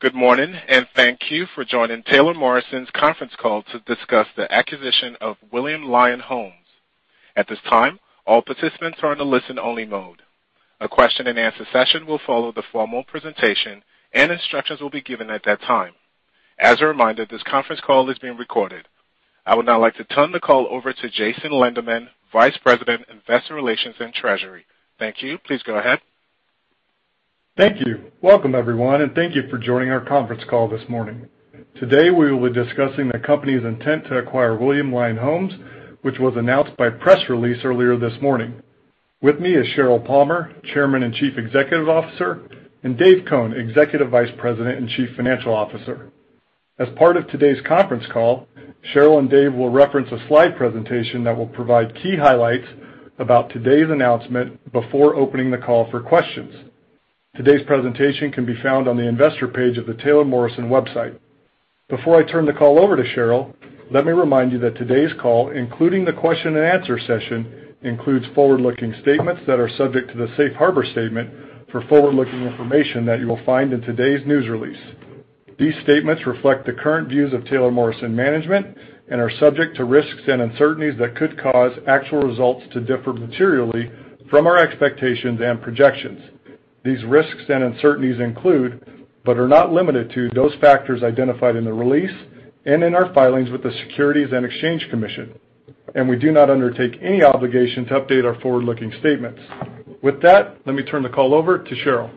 Good morning, and thank you for joining Taylor Morrison's Conference Call to discuss the acquisition of William Lyon Homes. At this time, all participants are in the listen-only mode. A question-and-answer session will follow the formal presentation, and instructions will be given at that time. As a reminder, this conference call is being recorded. I would now like to turn the call over to Jason Lenderman, Vice President, Investor Relations and Treasury. Thank you. Please go ahead. Thank you. Welcome, everyone, and thank you for joining our conference call this morning. Today, we will be discussing the company's intent to acquire William Lyon Homes, which was announced by press release earlier this morning. With me is Sheryl Palmer, Chairman and Chief Executive Officer, and Dave Cone, Executive Vice President and Chief Financial Officer. As part of today's conference call, Sheryl and Dave will reference a slide presentation that will provide key highlights about today's announcement before opening the call for questions. Today's presentation can be found on the investor page of the Taylor Morrison website. Before I turn the call over to Sheryl, let me remind you that today's call, including the question-and-answer session, includes forward-looking statements that are subject to the Safe Harbor Statement for forward-looking information that you will find in today's news release. These statements reflect the current views of Taylor Morrison Management and are subject to risks and uncertainties that could cause actual results to differ materially from our expectations and projections. These risks and uncertainties include, but are not limited to, those factors identified in the release and in our filings with the Securities and Exchange Commission, and we do not undertake any obligation to update our forward-looking statements. With that, let me turn the call over to Sheryl.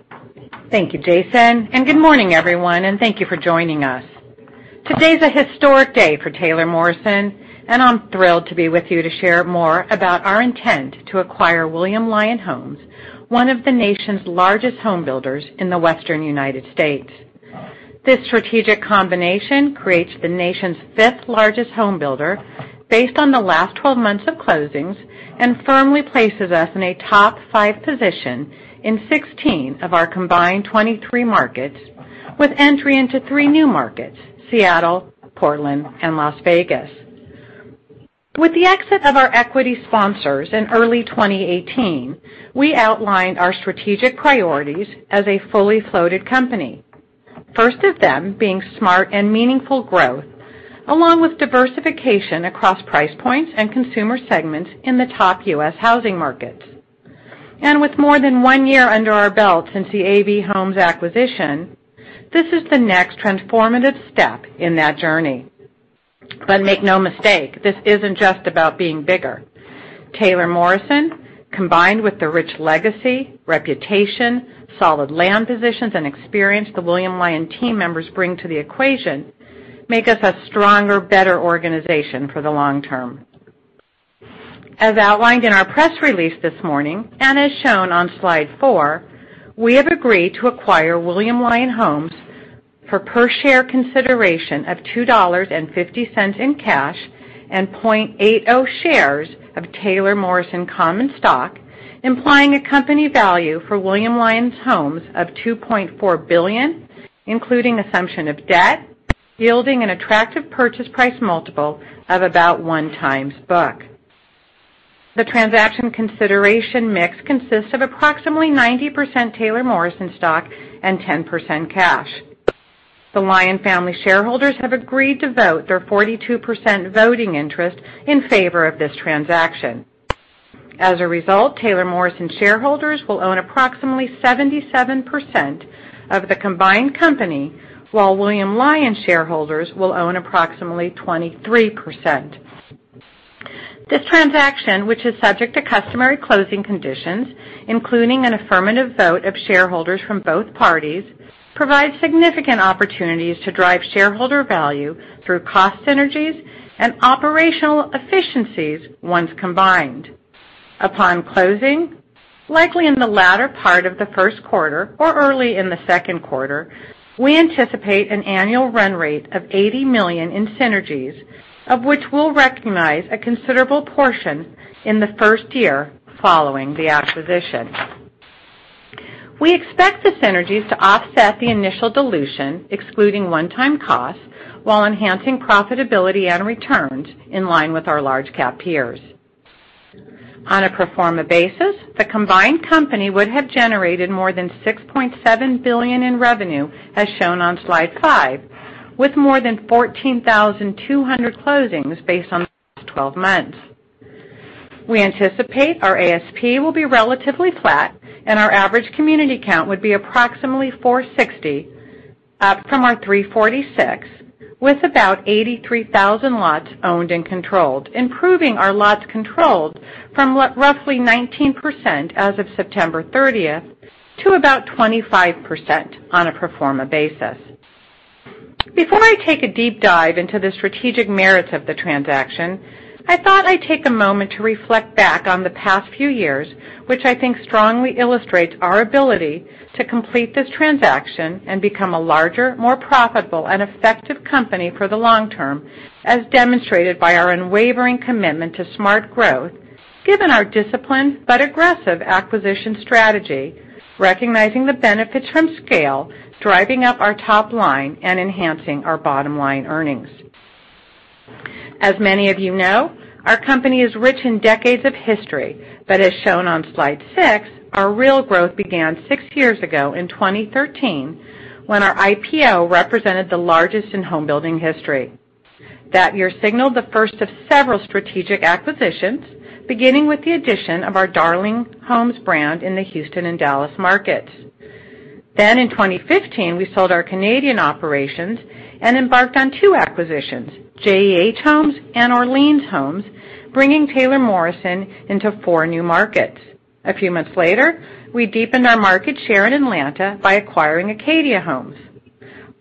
Thank you, Jason, and good morning, everyone, and thank you for joining us. Today's a historic day for Taylor Morrison, and I'm thrilled to be with you to share more about our intent to acquire William Lyon Homes, one of the nation's largest homebuilders in the Western United States. This strategic combination creates the nation's fifth-largest homebuilder based on the last 12 months of closings and firmly places us in a top five position in 16 of our combined 23 markets, with entry into three new markets: Seattle, Portland, and Las Vegas. With the exit of our equity sponsors in early 2018, we outlined our strategic priorities as a fully floated company, first of them being smart and meaningful growth, along with diversification across price points and consumer segments in the top U.S. housing markets. And with more than one year under our belt since the AV Homes acquisition, this is the next transformative step in that journey. But make no mistake, this isn't just about being bigger. Taylor Morrison, combined with the rich legacy, reputation, solid land positions, and experience the William Lyon team members bring to the equation, make us a stronger, better organization for the long term. As outlined in our press release this morning, and as shown on slide four, we have agreed to acquire William Lyon Homes for per share consideration of $2.50 in cash and 0.80 shares of Taylor Morrison Common Stock, implying a company value for William Lyon Homes of $2.4 billion, including assumption of debt, yielding an attractive purchase price multiple of about one times book. The transaction consideration mix consists of approximately 90% Taylor Morrison stock and 10% cash. The Lyon family shareholders have agreed to vote their 42% voting interest in favor of this transaction. As a result, Taylor Morrison shareholders will own approximately 77% of the combined company, while William Lyon shareholders will own approximately 23%. This transaction, which is subject to customary closing conditions, including an affirmative vote of shareholders from both parties, provides significant opportunities to drive shareholder value through cost synergies and operational efficiencies once combined. Upon closing, likely in the latter part of the first quarter or early in the second quarter, we anticipate an annual run rate of $80 million in synergies, of which we'll recognize a considerable portion in the first year following the acquisition. We expect the synergies to offset the initial dilution, excluding one-time costs, while enhancing profitability and returns in line with our large-cap peers. On a pro forma basis, the combined company would have generated more than $6.7 billion in revenue, as shown on slide five, with more than 14,200 closings based on the last 12 months. We anticipate our ASP will be relatively flat, and our average community count would be approximately 460, up from our 346, with about 83,000 lots owned and controlled, improving our lots controlled from roughly 19% as of September 30th to about 25% on a pro forma basis. Before I take a deep dive into the strategic merits of the transaction, I thought I'd take a moment to reflect back on the past few years, which I think strongly illustrates our ability to complete this transaction and become a larger, more profitable, and effective company for the long term, as demonstrated by our unwavering commitment to smart growth, given our disciplined but aggressive acquisition strategy, recognizing the benefits from scale, driving up our top line, and enhancing our bottom line earnings. As many of you know, our company is rich in decades of history, but as shown on slide six, our real growth began six years ago in 2013, when our IPO represented the largest in homebuilding history. That year signaled the first of several strategic acquisitions, beginning with the addition of our Darling Homes brand in the Houston and Dallas markets. Then, in 2015, we sold our Canadian operations and embarked on two acquisitions, JEH Homes and Orleans Homes, bringing Taylor Morrison into four new markets. A few months later, we deepened our market share in Atlanta by acquiring Acadia Homes.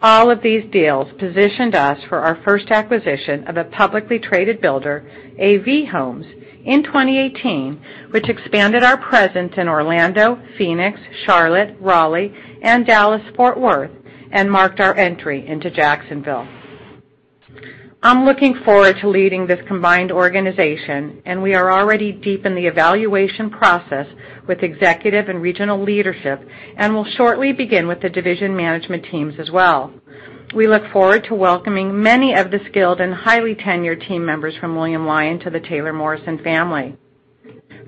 All of these deals positioned us for our first acquisition of a publicly traded builder, AV Homes, in 2018, which expanded our presence in Orlando, Phoenix, Charlotte, Raleigh, and Dallas-Fort Worth, and marked our entry into Jacksonville. I'm looking forward to leading this combined organization, and we are already deep in the evaluation process with executive and regional leadership, and will shortly begin with the division management teams as well. We look forward to welcoming many of the skilled and highly tenured team members from William Lyon to the Taylor Morrison family.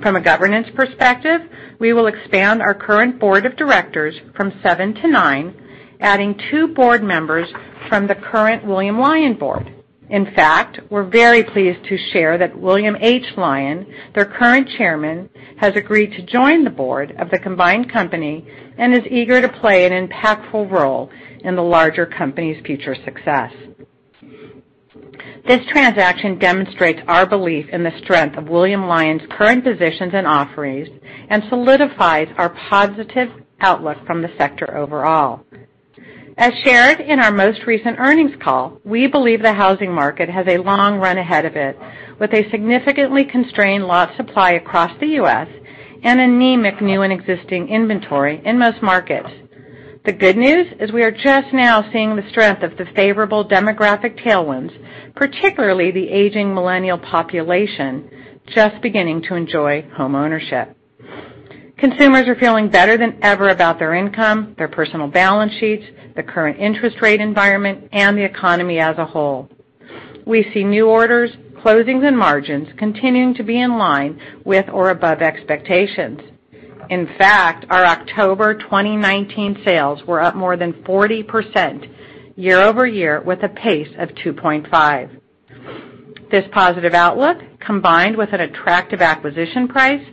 From a governance perspective, we will expand our current board of directors from seven to nine, adding two board members from the current William Lyon board. In fact, we're very pleased to share that William H. Lyon, their current chairman, has agreed to join the board of the combined company and is eager to play an impactful role in the larger company's future success. This transaction demonstrates our belief in the strength of William Lyon's current positions and offerings and solidifies our positive outlook from the sector overall. As shared in our most recent earnings call, we believe the housing market has a long run ahead of it, with a significantly constrained lot supply across the U.S. and anemic new and existing inventory in most markets. The good news is we are just now seeing the strength of the favorable demographic tailwinds, particularly the aging millennial population, just beginning to enjoy homeownership. Consumers are feeling better than ever about their income, their personal balance sheets, the current interest rate environment, and the economy as a whole. We see new orders, closings, and margins continuing to be in line with or above expectations. In fact, our October 2019 sales were up more than 40% year-over-year, with a pace of 2.5. This positive outlook, combined with an attractive acquisition price,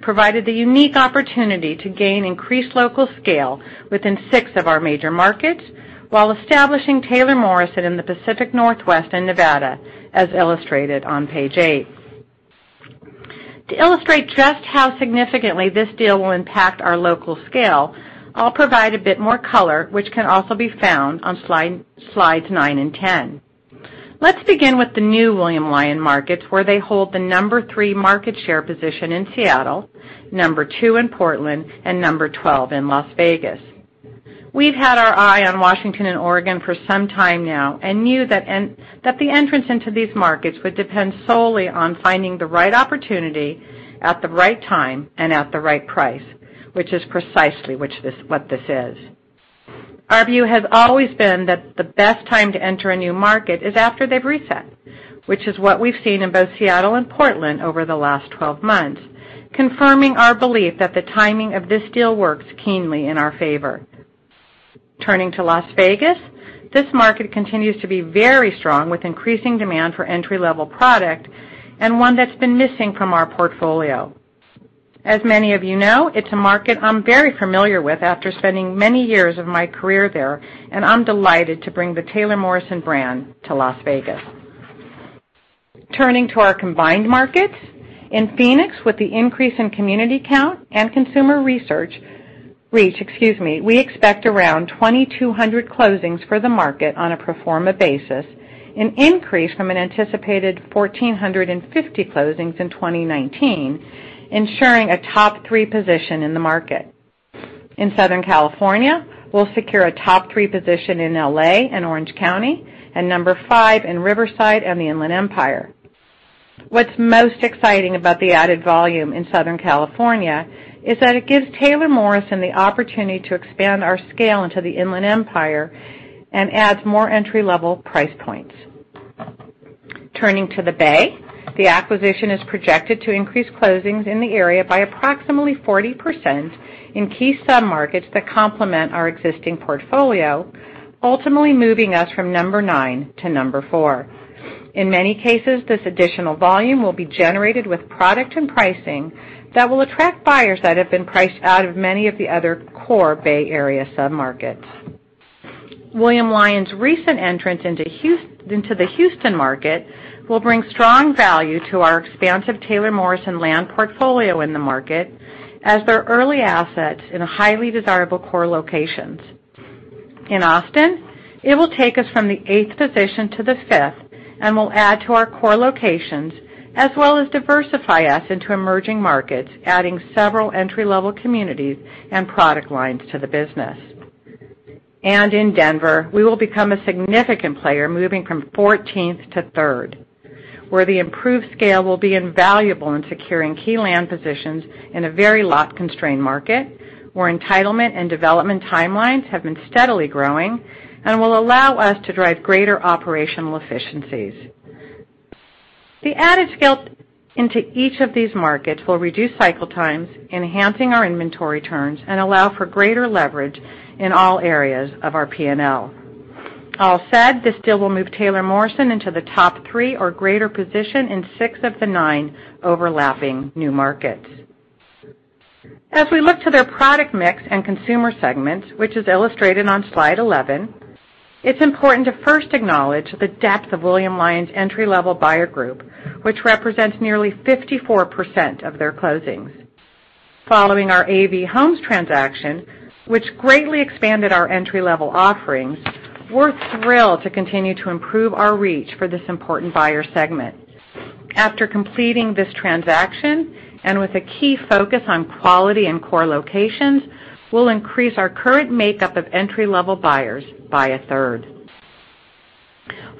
provided the unique opportunity to gain increased local scale within six of our major markets while establishing Taylor Morrison in the Pacific Northwest and Nevada, as illustrated on page eight. To illustrate just how significantly this deal will impact our local scale, I'll provide a bit more color, which can also be found on slides nine and 10. Let's begin with the new William Lyon markets, where they hold the number three market share position in Seattle, number two in Portland, and number 12 in Las Vegas. We've had our eye on Washington and Oregon for some time now and knew that the entrance into these markets would depend solely on finding the right opportunity at the right time and at the right price, which is precisely what this is. Our view has always been that the best time to enter a new market is after they've reset, which is what we've seen in both Seattle and Portland over the last 12 months, confirming our belief that the timing of this deal works keenly in our favor. Turning to Las Vegas, this market continues to be very strong, with increasing demand for entry-level product and one that's been missing from our portfolio. As many of you know, it's a market I'm very familiar with after spending many years of my career there, and I'm delighted to bring the Taylor Morrison brand to Las Vegas. Turning to our combined markets, in Phoenix, with the increase in community count and consumer research reach, excuse me, we expect around 2,200 closings for the market on a pro forma basis, an increase from an anticipated 1,450 closings in 2019, ensuring a top three position in the market. In Southern California, we'll secure a top three position in L.A. and Orange County, and number five in Riverside and the Inland Empire. What's most exciting about the added volume in Southern California is that it gives Taylor Morrison the opportunity to expand our scale into the Inland Empire and adds more entry-level price points. Turning to the Bay, the acquisition is projected to increase closings in the area by approximately 40% in key sub-markets that complement our existing portfolio, ultimately moving us from number nine to number four. In many cases, this additional volume will be generated with product and pricing that will attract buyers that have been priced out of many of the other core Bay Area sub-markets. William Lyon's recent entrance into the Houston market will bring strong value to our expansive Taylor Morrison land portfolio in the market as their early assets in highly desirable core locations. In Austin, it will take us from the eighth position to the fifth and will add to our core locations, as well as diversify us into emerging markets, adding several entry-level communities and product lines to the business. And in Denver, we will become a significant player, moving from 14th to third, where the improved scale will be invaluable in securing key land positions in a very lot-constrained market, where entitlement and development timelines have been steadily growing and will allow us to drive greater operational efficiencies. The added scale into each of these markets will reduce cycle times, enhancing our inventory turns, and allow for greater leverage in all areas of our P&L. All said, this deal will move Taylor Morrison into the top three or greater position in six of the nine overlapping new markets. As we look to their product mix and consumer segments, which is illustrated on slide 11, it's important to first acknowledge the depth of William Lyon's entry-level buyer group, which represents nearly 54% of their closings. Following our AV Homes transaction, which greatly expanded our entry-level offerings, we're thrilled to continue to improve our reach for this important buyer segment. After completing this transaction and with a key focus on quality and core locations, we'll increase our current makeup of entry-level buyers by a third.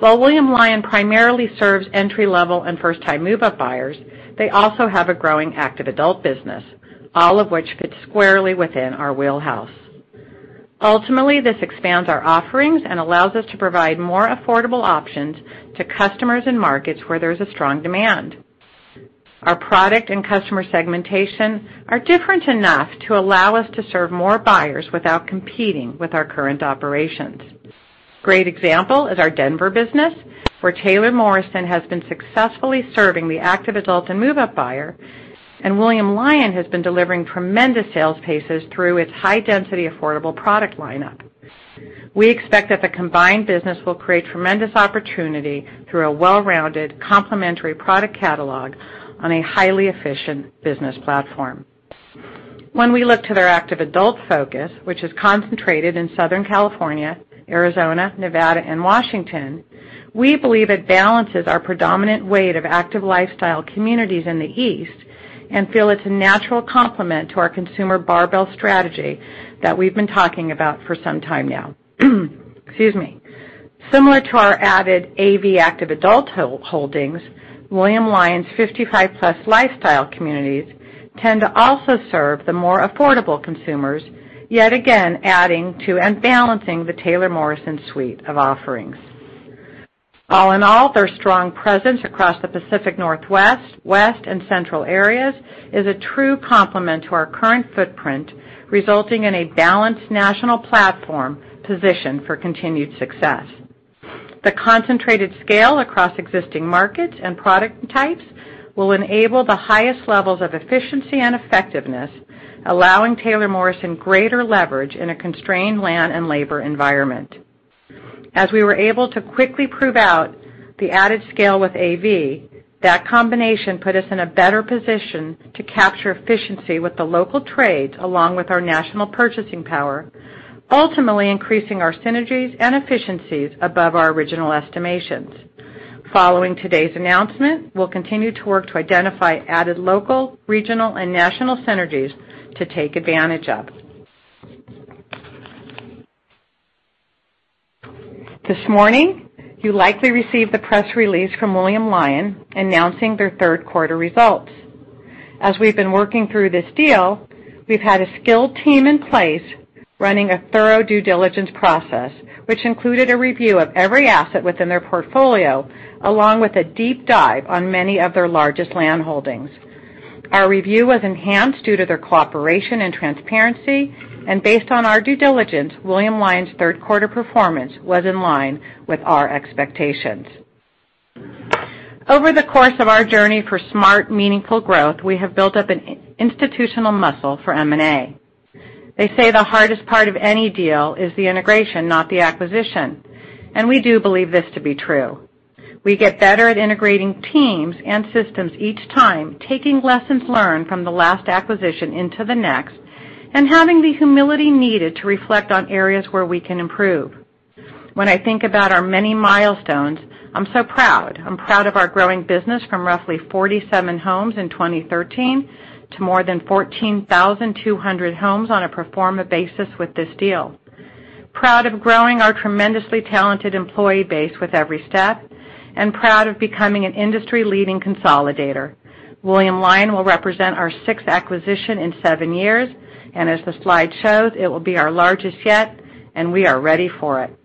While William Lyon primarily serves entry-level and first-time move-up buyers, they also have a growing active adult business, all of which fits squarely within our wheelhouse. Ultimately, this expands our offerings and allows us to provide more affordable options to customers in markets where there is a strong demand. Our product and customer segmentation are different enough to allow us to serve more buyers without competing with our current operations. Great example is our Denver business, where Taylor Morrison has been successfully serving the active adult and move-up buyer, and William Lyon has been delivering tremendous sales paces through its high-density affordable product lineup. We expect that the combined business will create tremendous opportunity through a well-rounded, complementary product catalog on a highly efficient business platform. When we look to their active adult focus, which is concentrated in Southern California, Arizona, Nevada, and Washington, we believe it balances our predominant weight of active lifestyle communities in the East and feel it's a natural complement to our consumer barbell strategy that we've been talking about for some time now. Excuse me. Similar to our added AV active adult holdings, William Lyon's 55+ lifestyle communities tend to also serve the more affordable consumers, yet again adding to and balancing the Taylor Morrison suite of offerings. All in all, their strong presence across the Pacific Northwest, West, and Central areas is a true complement to our current footprint, resulting in a balanced national platform position for continued success. The concentrated scale across existing markets and product types will enable the highest levels of efficiency and effectiveness, allowing Taylor Morrison greater leverage in a constrained land and labor environment. As we were able to quickly prove out the added scale with AV, that combination put us in a better position to capture efficiency with the local trades along with our national purchasing power, ultimately increasing our synergies and efficiencies above our original estimations. Following today's announcement, we'll continue to work to identify added local, regional, and national synergies to take advantage of. This morning, you likely received the press release from William Lyon announcing their third quarter results. As we've been working through this deal, we've had a skilled team in place running a thorough due diligence process, which included a review of every asset within their portfolio, along with a deep dive on many of their largest land holdings. Our review was enhanced due to their cooperation and transparency, and based on our due diligence, William Lyon's third quarter performance was in line with our expectations. Over the course of our journey for smart, meaningful growth, we have built up an institutional muscle for M&A. They say the hardest part of any deal is the integration, not the acquisition, and we do believe this to be true. We get better at integrating teams and systems each time, taking lessons learned from the last acquisition into the next and having the humility needed to reflect on areas where we can improve. When I think about our many milestones, I'm so proud. I'm proud of our growing business from roughly 47 homes in 2013 to more than 14,200 homes on a pro forma basis with this deal. Proud of growing our tremendously talented employee base with every step and proud of becoming an industry-leading consolidator. William Lyon will represent our sixth acquisition in seven years, and as the slide shows, it will be our largest yet, and we are ready for it.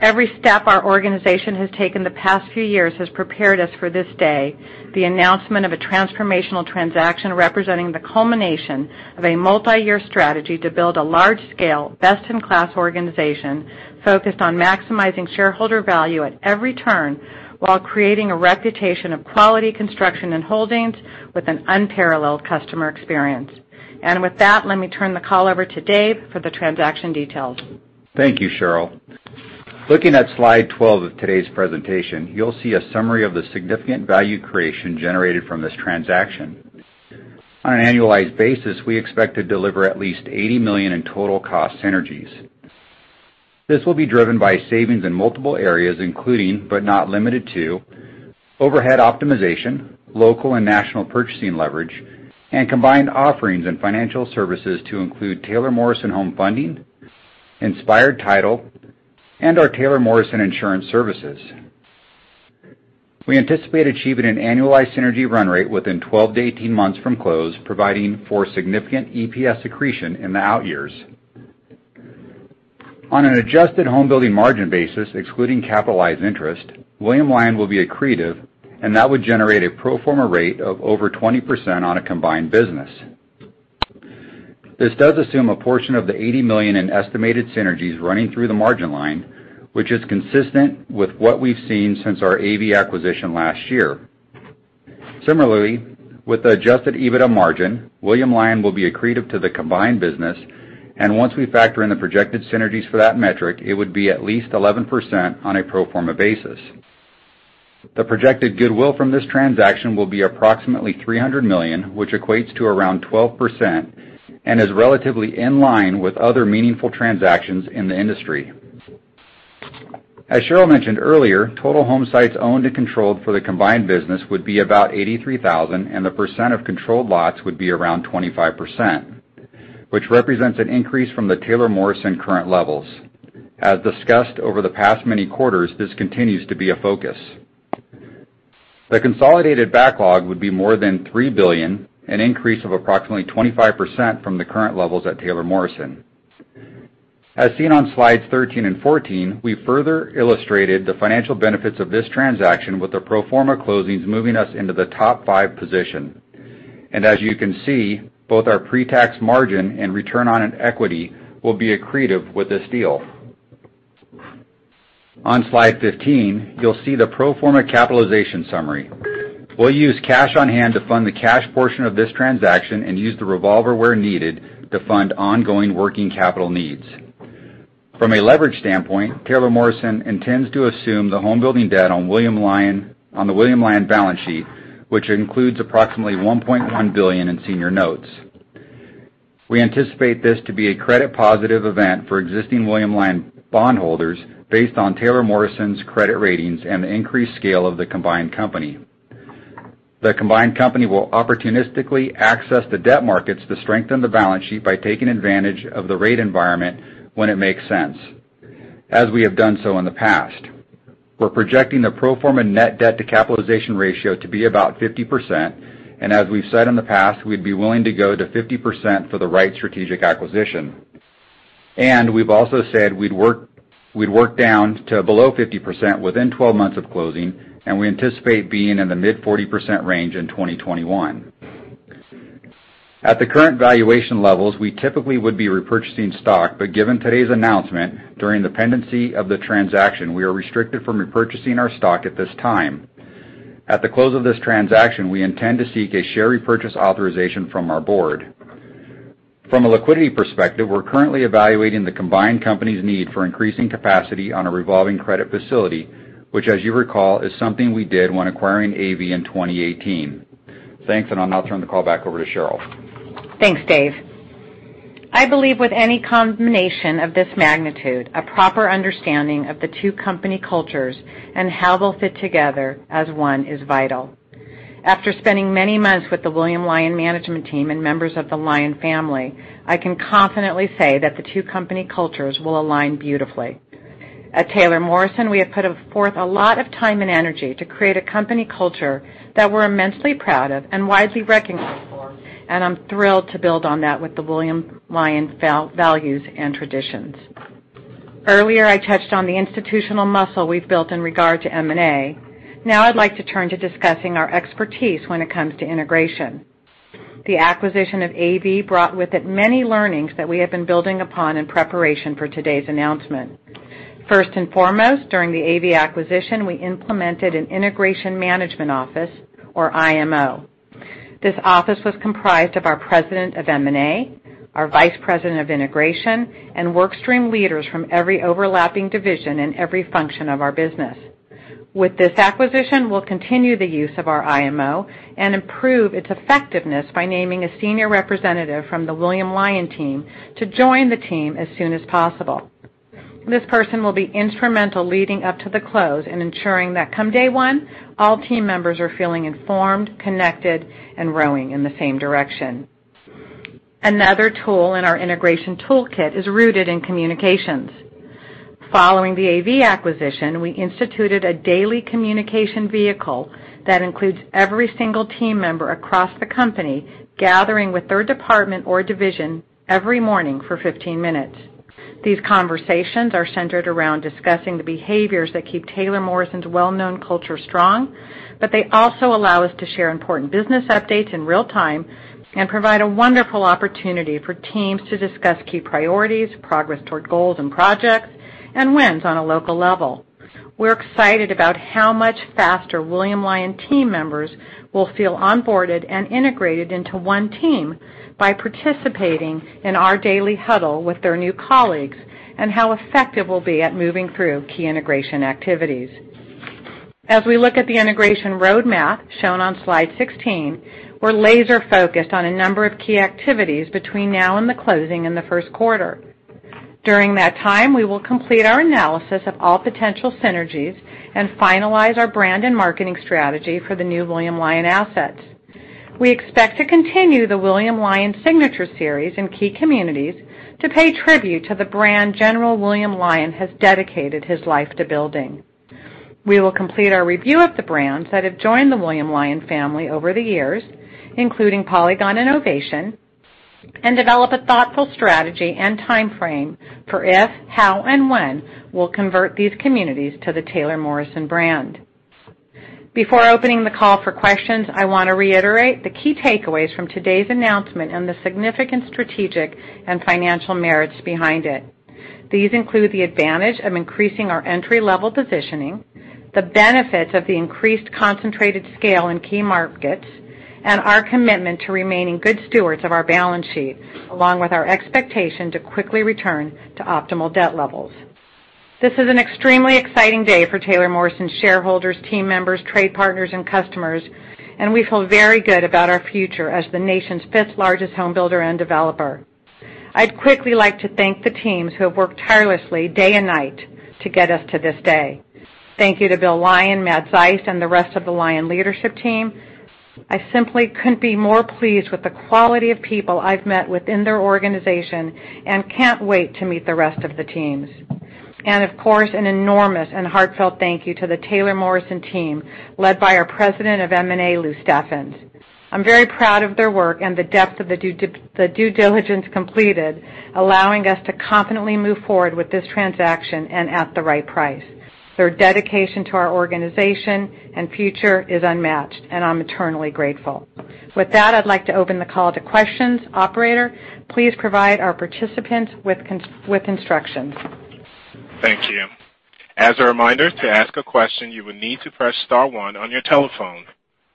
Every step our organization has taken the past few years has prepared us for this day: the announcement of a transformational transaction representing the culmination of a multi-year strategy to build a large-scale, best-in-class organization focused on maximizing shareholder value at every turn while creating a reputation of quality construction and holdings with an unparalleled customer experience. And with that, let me turn the call over to Dave for the transaction details. Thank you, Sheryl. Looking at slide 12 of today's presentation, you'll see a summary of the significant value creation generated from this transaction. On an annualized basis, we expect to deliver at least $80 million in total cost synergies. This will be driven by savings in multiple areas, including, but not limited to, overhead optimization, local and national purchasing leverage, and combined offerings and financial services to include Taylor Morrison Home Funding, Inspired Title, and our Taylor Morrison Insurance Services. We anticipate achieving an annualized synergy run rate within 12-18 months from close, providing for significant EPS accretion in the out years. On an adjusted home building margin basis, excluding capitalized interest, William Lyon will be accretive, and that would generate a pro forma rate of over 20% on a combined business. This does assume a portion of the $80 million in estimated synergies running through the margin line, which is consistent with what we've seen since our AV acquisition last year. Similarly, with the Adjusted EBITDA margin, William Lyon will be accretive to the combined business, and once we factor in the projected synergies for that metric, it would be at least 11% on a pro forma basis. The projected goodwill from this transaction will be approximately $300 million, which equates to around 12% and is relatively in line with other meaningful transactions in the industry. As Sheryl mentioned earlier, total home sites owned and controlled for the combined business would be about 83,000, and the percent of controlled lots would be around 25%, which represents an increase from the Taylor Morrison current levels. As discussed over the past many quarters, this continues to be a focus. The consolidated backlog would be more than $3 billion, an increase of approximately 25% from the current levels at Taylor Morrison. As seen on slides 13 and 14, we further illustrated the financial benefits of this transaction with the pro forma closings moving us into the top five position. And as you can see, both our pre-tax margin and return on equity will be accretive with this deal. On slide 15, you'll see the pro forma capitalization summary. We'll use cash on hand to fund the cash portion of this transaction and use the revolver where needed to fund ongoing working capital needs. From a leverage standpoint, Taylor Morrison intends to assume the home building debt on the William Lyon balance sheet, which includes approximately $1.1 billion in senior notes. We anticipate this to be a credit-positive event for existing William Lyon bondholders based on Taylor Morrison's credit ratings and the increased scale of the combined company. The combined company will opportunistically access the debt markets to strengthen the balance sheet by taking advantage of the rate environment when it makes sense, as we have done so in the past. We're projecting the pro forma net debt-to-capitalization ratio to be about 50%, and as we've said in the past, we'd be willing to go to 50% for the right strategic acquisition, and we've also said we'd work down to below 50% within 12 months of closing, and we anticipate being in the mid-40% range in 2021. At the current valuation levels, we typically would be repurchasing stock, but given today's announcement during the pendency of the transaction, we are restricted from repurchasing our stock at this time. At the close of this transaction, we intend to seek a share repurchase authorization from our board. From a liquidity perspective, we're currently evaluating the combined company's need for increasing capacity on a revolving credit facility, which, as you recall, is something we did when acquiring AV in 2018. Thanks, and I'll now turn the call back over to Sheryl. Thanks, Dave. I believe with any combination of this magnitude, a proper understanding of the two company cultures and how they'll fit together as one is vital. After spending many months with the William Lyon management team and members of the Lyon family, I can confidently say that the two company cultures will align beautifully. At Taylor Morrison, we have put forth a lot of time and energy to create a company culture that we're immensely proud of and widely recognized for, and I'm thrilled to build on that with the William Lyon values and traditions. Earlier, I touched on the institutional muscle we've built in regard to M&A. Now, I'd like to turn to discussing our expertise when it comes to integration. The acquisition of AV brought with it many learnings that we have been building upon in preparation for today's announcement. First and foremost, during the AV acquisition, we implemented an integration management office, or IMO. This office was comprised of our president of M&A, our vice president of integration, and workstream leaders from every overlapping division and every function of our business. With this acquisition, we'll continue the use of our IMO and improve its effectiveness by naming a senior representative from the William Lyon team to join the team as soon as possible. This person will be instrumental leading up to the close and ensuring that come day one, all team members are feeling informed, connected, and rowing in the same direction. Another tool in our integration toolkit is rooted in communications. Following the AV acquisition, we instituted a daily communication vehicle that includes every single team member across the company gathering with their department or division every morning for 15 minutes. These conversations are centered around discussing the behaviors that keep Taylor Morrison's well-known culture strong, but they also allow us to share important business updates in real time and provide a wonderful opportunity for teams to discuss key priorities, progress toward goals and projects, and wins on a local level. We're excited about how much faster William Lyon team members will feel onboarded and integrated into one team by participating in our daily huddle with their new colleagues and how effective we'll be at moving through key integration activities. As we look at the integration roadmap shown on slide 16, we're laser-focused on a number of key activities between now and the closing in the first quarter. During that time, we will complete our analysis of all potential synergies and finalize our brand and marketing strategy for the new William Lyon assets. We expect to continue the William Lyon Signature Series in key communities to pay tribute to the brand General William Lyon has dedicated his life to building. We will complete our review of the brands that have joined the William Lyon family over the years, including Polygon Northwest, and develop a thoughtful strategy and timeframe for if, how, and when we'll convert these communities to the Taylor Morrison brand. Before opening the call for questions, I want to reiterate the key takeaways from today's announcement and the significant strategic and financial merits behind it. These include the advantage of increasing our entry-level positioning, the benefits of the increased concentrated scale in key markets, and our commitment to remaining good stewards of our balance sheet, along with our expectation to quickly return to optimal debt levels. This is an extremely exciting day for Taylor Morrison's shareholders, team members, trade partners, and customers, and we feel very good about our future as the nation's fifth-largest home builder and developer. I'd quickly like to thank the teams who have worked tirelessly day and night to get us to this day. Thank you to Bill Lyon, Matt Zaist, and the rest of the Lyon leadership team. I simply couldn't be more pleased with the quality of people I've met within their organization and can't wait to meet the rest of the teams. And of course, an enormous and heartfelt thank you to the Taylor Morrison team led by our President of M&A, Lou Steffens. I'm very proud of their work and the depth of the due diligence completed, allowing us to confidently move forward with this transaction and at the right price. Their dedication to our organization and future is unmatched, and I'm eternally grateful. With that, I'd like to open the call to questions. Operator, please provide our participants with instructions. Thank you. As a reminder, to ask a question, you will need to press star one on your telephone.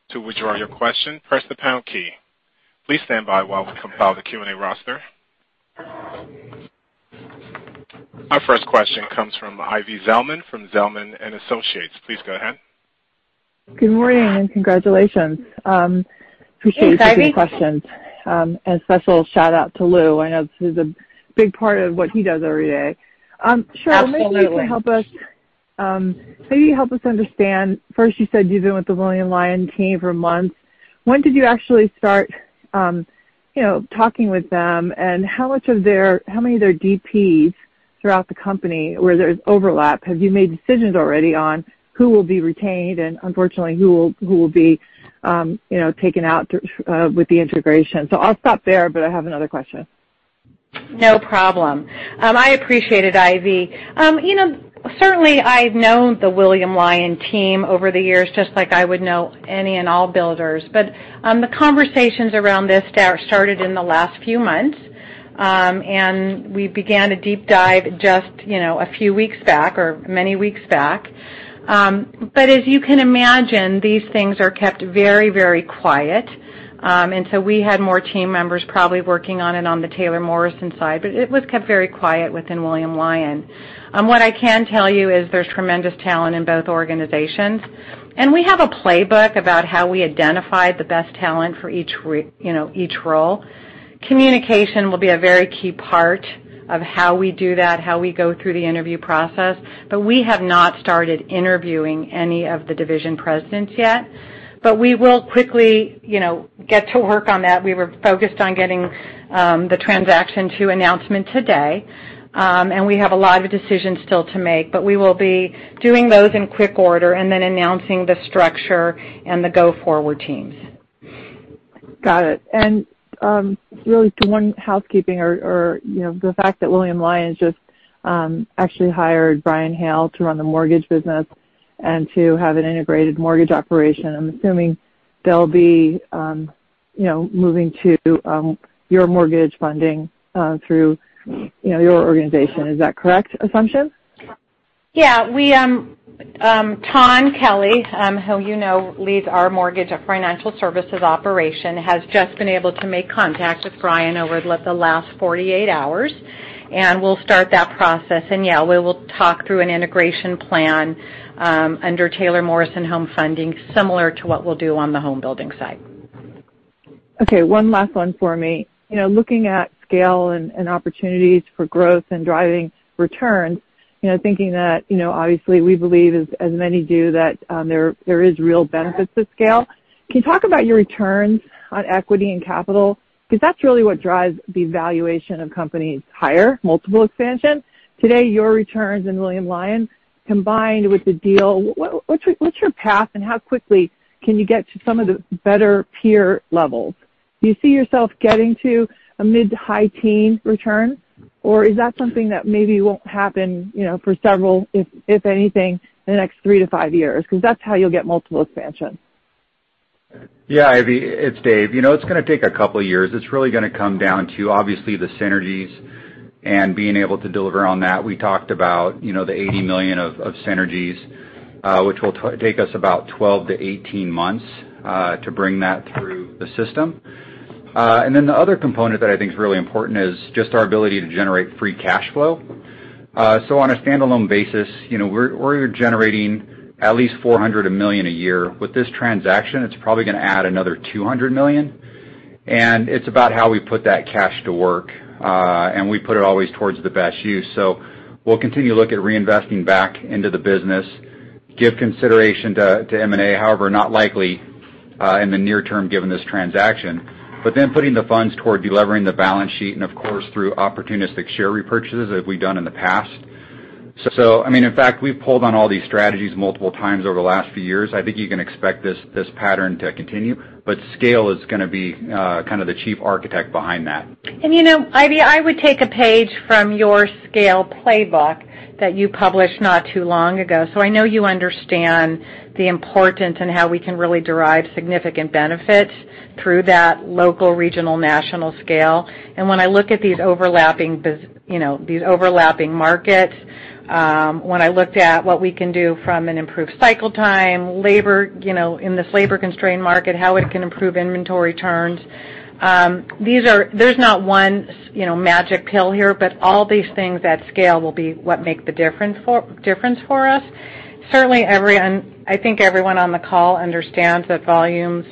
To withdraw your question, press the pound key. Please stand by while we compile the Q&A roster. Our first question comes from Ivy Zelman from Zelman & Associates. Please go ahead. Good morning and congratulations. Appreciate your questions. And special shout-out to Lou. I know this is a big part of what he does every day. Sheryl, maybe you can help us. Absolutely. Maybe you help us understand. First, you said you've been with the William Lyon team for months. When did you actually start talking with them, and how many of their DPs throughout the company where there's overlap have you made decisions already on who will be retained and, unfortunately, who will be taken out with the integration? So I'll stop there, but I have another question. No problem. I appreciate it, Ivy. Certainly, I've known the William Lyon team over the years just like I would know any and all builders, but the conversations around this started in the last few months, and we began a deep dive just a few weeks back or many weeks back. But as you can imagine, these things are kept very, very quiet, and so we had more team members probably working on it on the Taylor Morrison side, but it was kept very quiet within William Lyon. What I can tell you is there's tremendous talent in both organizations, and we have a playbook about how we identify the best talent for each role. Communication will be a very key part of how we do that, how we go through the interview process, but we have not started interviewing any of the division presidents yet. But we will quickly get to work on that. We were focused on getting the transaction to announcement today, and we have a lot of decisions still to make, but we will be doing those in quick order and then announcing the structure and the go-forward teams. Got it. And really, to one housekeeping or the fact that William Lyon just actually hired Brian Hale to run the mortgage business and to have an integrated mortgage operation, I'm assuming they'll be moving to your mortgage funding through your organization. Is that a correct assumption? Yeah. Tawn Kelley, who you know leads our mortgage financial services operation, has just been able to make contact with Brian over the last 48 hours, and we'll start that process. And yeah, we will talk through an integration plan under Taylor Morrison Home Funding similar to what we'll do on the home building side. Okay. One last one for me. Looking at scale and opportunities for growth and driving returns, thinking that obviously we believe, as many do, that there is real benefit to scale. Can you talk about your returns on equity and capital? Because that's really what drives the valuation of companies higher, multiple expansion. Today, your returns in William Lyon combined with the deal, what's your path, and how quickly can you get to some of the better peer levels? Do you see yourself getting to a mid-to-high-teens return, or is that something that maybe won't happen for several, if anything, in the next 3-5 years? Because that's how you'll get multiple expansion. Yeah, Ivy, it's Dave. It's going to take a couple of years. It's really going to come down to, obviously, the synergies and being able to deliver on that. We talked about the $80 million of synergies, which will take us about 12-18 months to bring that through the system. And then the other component that I think is really important is just our ability to generate free cash flow. On a standalone basis, we're generating at least $400 million a year. With this transaction, it's probably going to add another $200 million, and it's about how we put that cash to work, and we put it always towards the best use. We'll continue to look at reinvesting back into the business, give consideration to M&A, however, not likely in the near term given this transaction, but then putting the funds toward delivering the balance sheet and, of course, through opportunistic share repurchases as we've done in the past. I mean, in fact, we've pulled on all these strategies multiple times over the last few years. I think you can expect this pattern to continue, but scale is going to be kind of the chief architect behind that. And Ivy, I would take a page from your scale playbook that you published not too long ago. I know you understand the importance and how we can really derive significant benefits through that local, regional, national scale. And when I look at these overlapping markets, when I looked at what we can do from an improved cycle time, in this labor-constrained market, how it can improve inventory turns, there's not one magic pill here, but all these things at scale will be what make the difference for us. Certainly, I think everyone on the call understands that volumes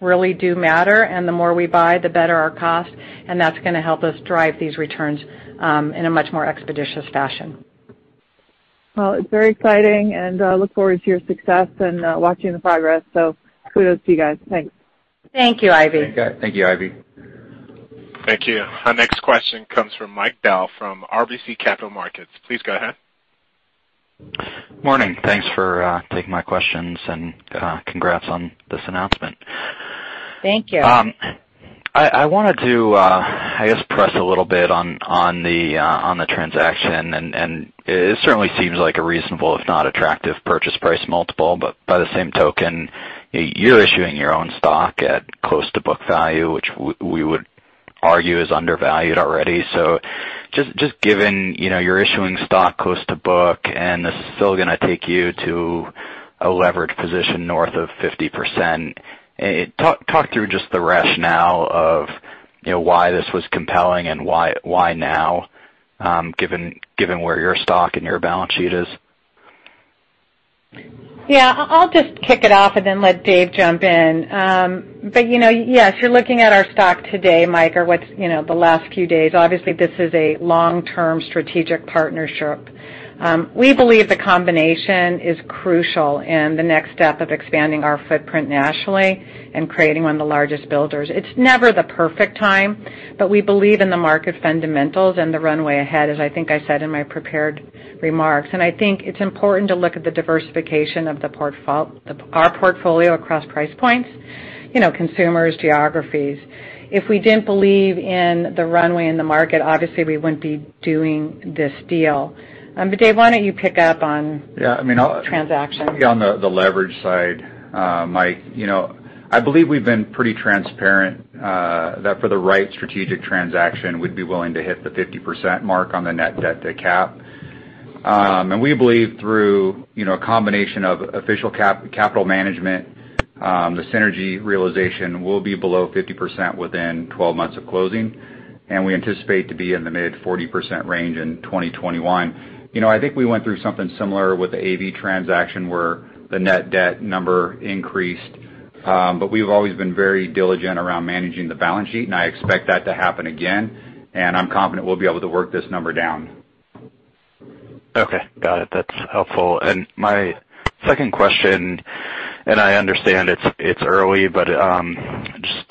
really do matter, and the more we buy, the better our cost, and that's going to help us drive these returns in a much more expeditious fashion. It's very exciting, and I look forward to your success and watching the progress. Kudos to you guys. Thanks. Thank you, Ivy. Thank you, Ivy. Thank you. Our next question comes from Mike Bell from RBC Capital Markets. Please go ahead. Morning. Thanks for taking my questions and congrats on this announcement. Thank you. I wanted to, I guess, press a little bit on the transaction, and it certainly seems like a reasonable, if not attractive, purchase price multiple, but by the same token, you're issuing your own stock at close to book value, which we would argue is undervalued already. So just given you're issuing stock close to book and this is still going to take you to a leveraged position north of 50%, talk through just the rationale of why this was compelling and why now, given where your stock and your balance sheet is. Yeah. I'll just kick it off and then let Dave jump in. But yes, you're looking at our stock today, Mike, or what's the last few days. Obviously, this is a long-term strategic partnership. We believe the combination is crucial in the next step of expanding our footprint nationally and creating one of the largest builders. It's never the perfect time, but we believe in the market fundamentals and the runway ahead, as I think I said in my prepared remarks. And I think it's important to look at the diversification of our portfolio across price points, consumers, geographies. If we didn't believe in the runway and the market, obviously, we wouldn't be doing this deal. But Dave, why don't you pick up on the transaction? Yeah. On the leverage side, Mike, I believe we've been pretty transparent that for the right strategic transaction, we'd be willing to hit the 50% mark on the net debt to cap. We believe through a combination of optimal capital management, the synergy realization will be below 50% within 12 months of closing, and we anticipate to be in the mid-40% range in 2021. I think we went through something similar with the AV transaction where the net debt number increased, but we've always been very diligent around managing the balance sheet, and I expect that to happen again, and I'm confident we'll be able to work this number down. Okay. Got it. That's helpful. My second question, and I understand it's early, but just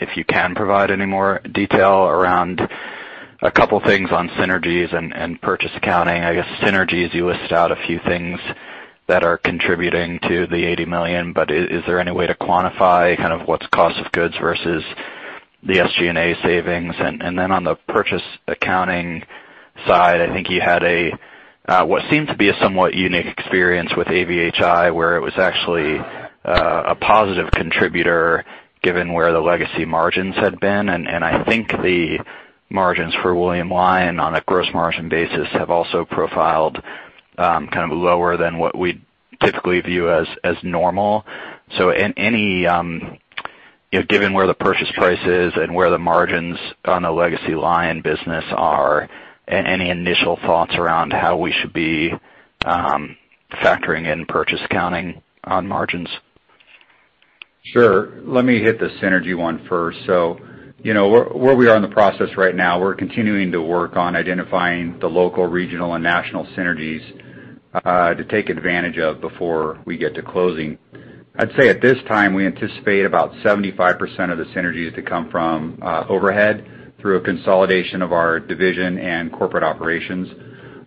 if you can provide any more detail around a couple of things on synergies and purchase accounting. I guess synergies, you listed out a few things that are contributing to the $80 million, but is there any way to quantify kind of what's cost of goods versus the SG&A savings? And then on the purchase accounting side, I think you had what seemed to be a somewhat unique experience with AVHI where it was actually a positive contributor given where the legacy margins had been. And I think the margins for William Lyon on a gross margin basis have also profiled kind of lower than what we typically view as normal. So given where the purchase price is and where the margins on the legacy Lyon business are, any initial thoughts around how we should be factoring in purchase accounting on margins? Sure. Let me hit the synergy one first. So where we are in the process right now, we're continuing to work on identifying the local, regional, and national synergies to take advantage of before we get to closing. I'd say at this time, we anticipate about 75% of the synergies to come from overhead through a consolidation of our division and corporate operations.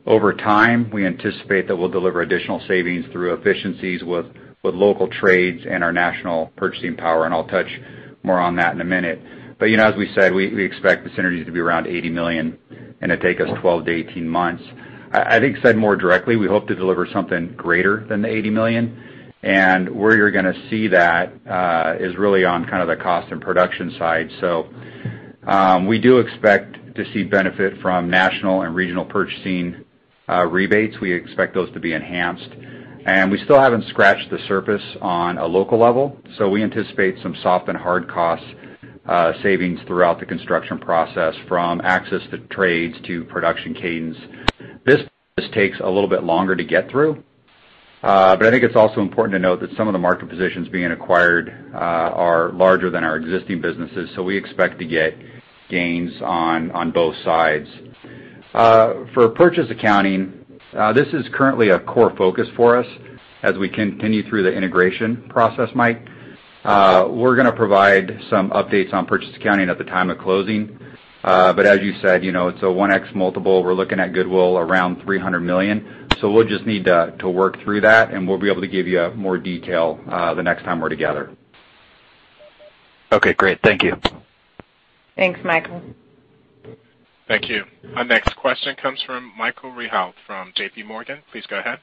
Over time, we anticipate that we'll deliver additional savings through efficiencies with local trades and our national purchasing power, and I'll touch more on that in a minute, but as we said, we expect the synergies to be around $80 million and it'd take us 12-18 months. I think said more directly, we hope to deliver something greater than the $80 million, and where you're going to see that is really on kind of the cost and production side, so we do expect to see benefit from national and regional purchasing rebates. We expect those to be enhanced, and we still haven't scratched the surface on a local level. So we anticipate some soft and hard cost savings throughout the construction process from access to trades to production cadence. This takes a little bit longer to get through, but I think it's also important to note that some of the market positions being acquired are larger than our existing businesses, so we expect to get gains on both sides. For purchase accounting, this is currently a core focus for us as we continue through the integration process, Mike. We're going to provide some updates on purchase accounting at the time of closing, but as you said, it's a 1x multiple. We're looking at goodwill around $300 million, so we'll just need to work through that, and we'll be able to give you more detail the next time we're together. Okay. Great. Thank you. Thanks, Michael. Thank you. Our next question comes from Michael Rehaut from J.P. Morgan. Please go ahead.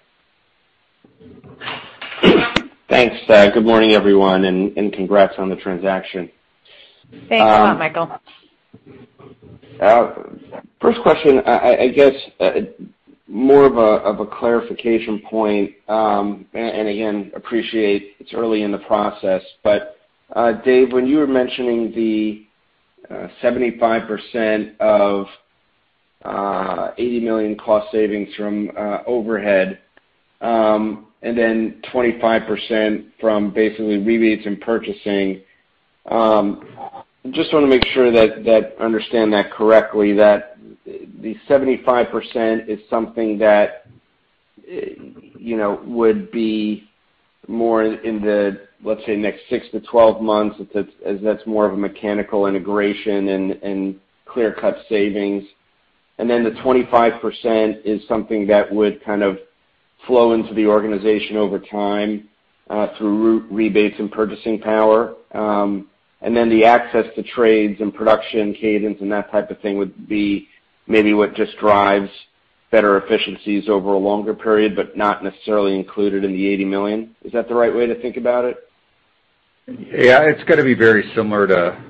Thanks. Good morning, everyone, and congrats on the transaction. Thanks a lot, Michael. First question, I guess more of a clarification point, and again, appreciate it's early in the process. But Dave, when you were mentioning the 75% of $80 million cost savings from overhead and then 25% from basically rebates and purchasing, just want to make sure that I understand that correctly, that the 75% is something that would be more in the, let's say, next 6 to 12 months as that's more of a mechanical integration and clear-cut savings. And then the 25% is something that would kind of flow into the organization over time through rebates and purchasing power. And then the access to trades and production cadence and that type of thing would be maybe what just drives better efficiencies over a longer period, but not necessarily included in the $80 million. Is that the right way to think about it? Yeah. It's going to be very similar to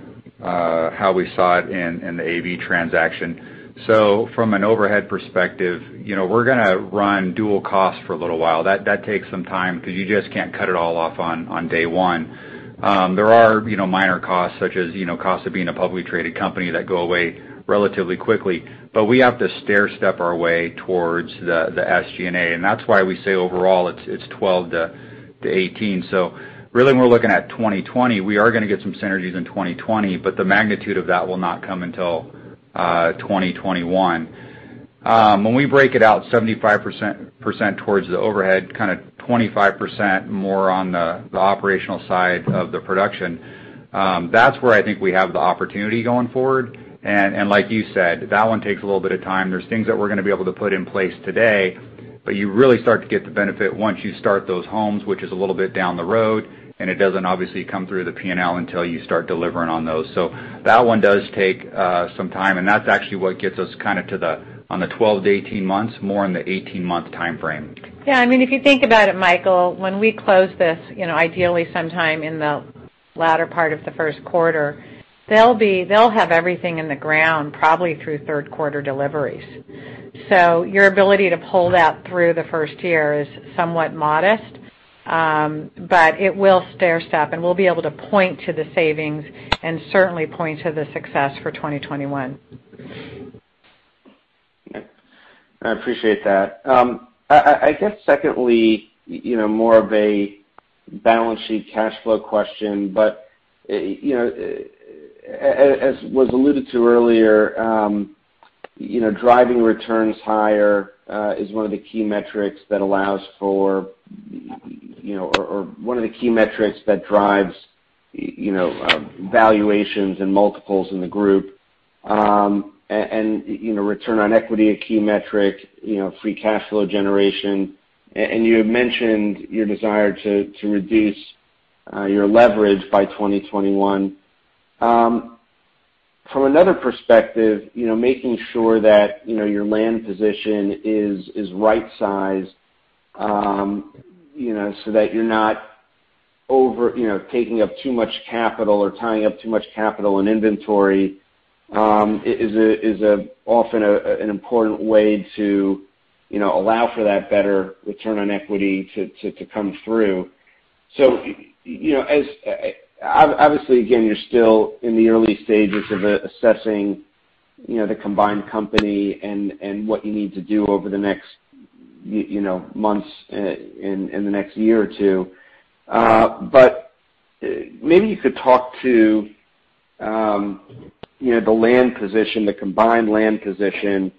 how we saw it in the AV transaction, so from an overhead perspective, we're going to run dual costs for a little while. That takes some time because you just can't cut it all off on day one. There are minor costs such as costs of being a publicly traded company that go away relatively quickly, but we have to stair-step our way towards the SG&A, and that's why we say overall it's 12-18. So really, we're looking at 2020. We are going to get some synergies in 2020, but the magnitude of that will not come until 2021. When we break it out, 75% towards the overhead, kind of 25% more on the operational side of the production, that's where I think we have the opportunity going forward. Like you said, that one takes a little bit of time. There's things that we're going to be able to put in place today, but you really start to get the benefit once you start those homes, which is a little bit down the road, and it doesn't obviously come through the P&L until you start delivering on those. So that one does take some time, and that's actually what gets us kind of to the 12-18 months, more in the 18-month timeframe. Yeah. I mean, if you think about it, Michael, when we close this, ideally sometime in the latter part of the first quarter, they'll have everything in the ground probably through third-quarter deliveries. Your ability to pull that through the first year is somewhat modest, but it will stair-step, and we'll be able to point to the savings and certainly point to the success for 2021. I appreciate that. I guess secondly, more of a balance sheet cash flow question, but as was alluded to earlier, driving returns higher is one of the key metrics that allows for or one of the key metrics that drives valuations and multiples in the group, and return on equity, a key metric, free cash flow generation, and you had mentioned your desire to reduce your leverage by 2021. From another perspective, making sure that your land position is right-sized so that you're not taking up too much capital or tying up too much capital in inventory is often an important way to allow for that better return on equity to come through. Obviously, again, you're still in the early stages of assessing the combined company and what you need to do over the next months and the next year or two. But maybe you could talk to the combined land position.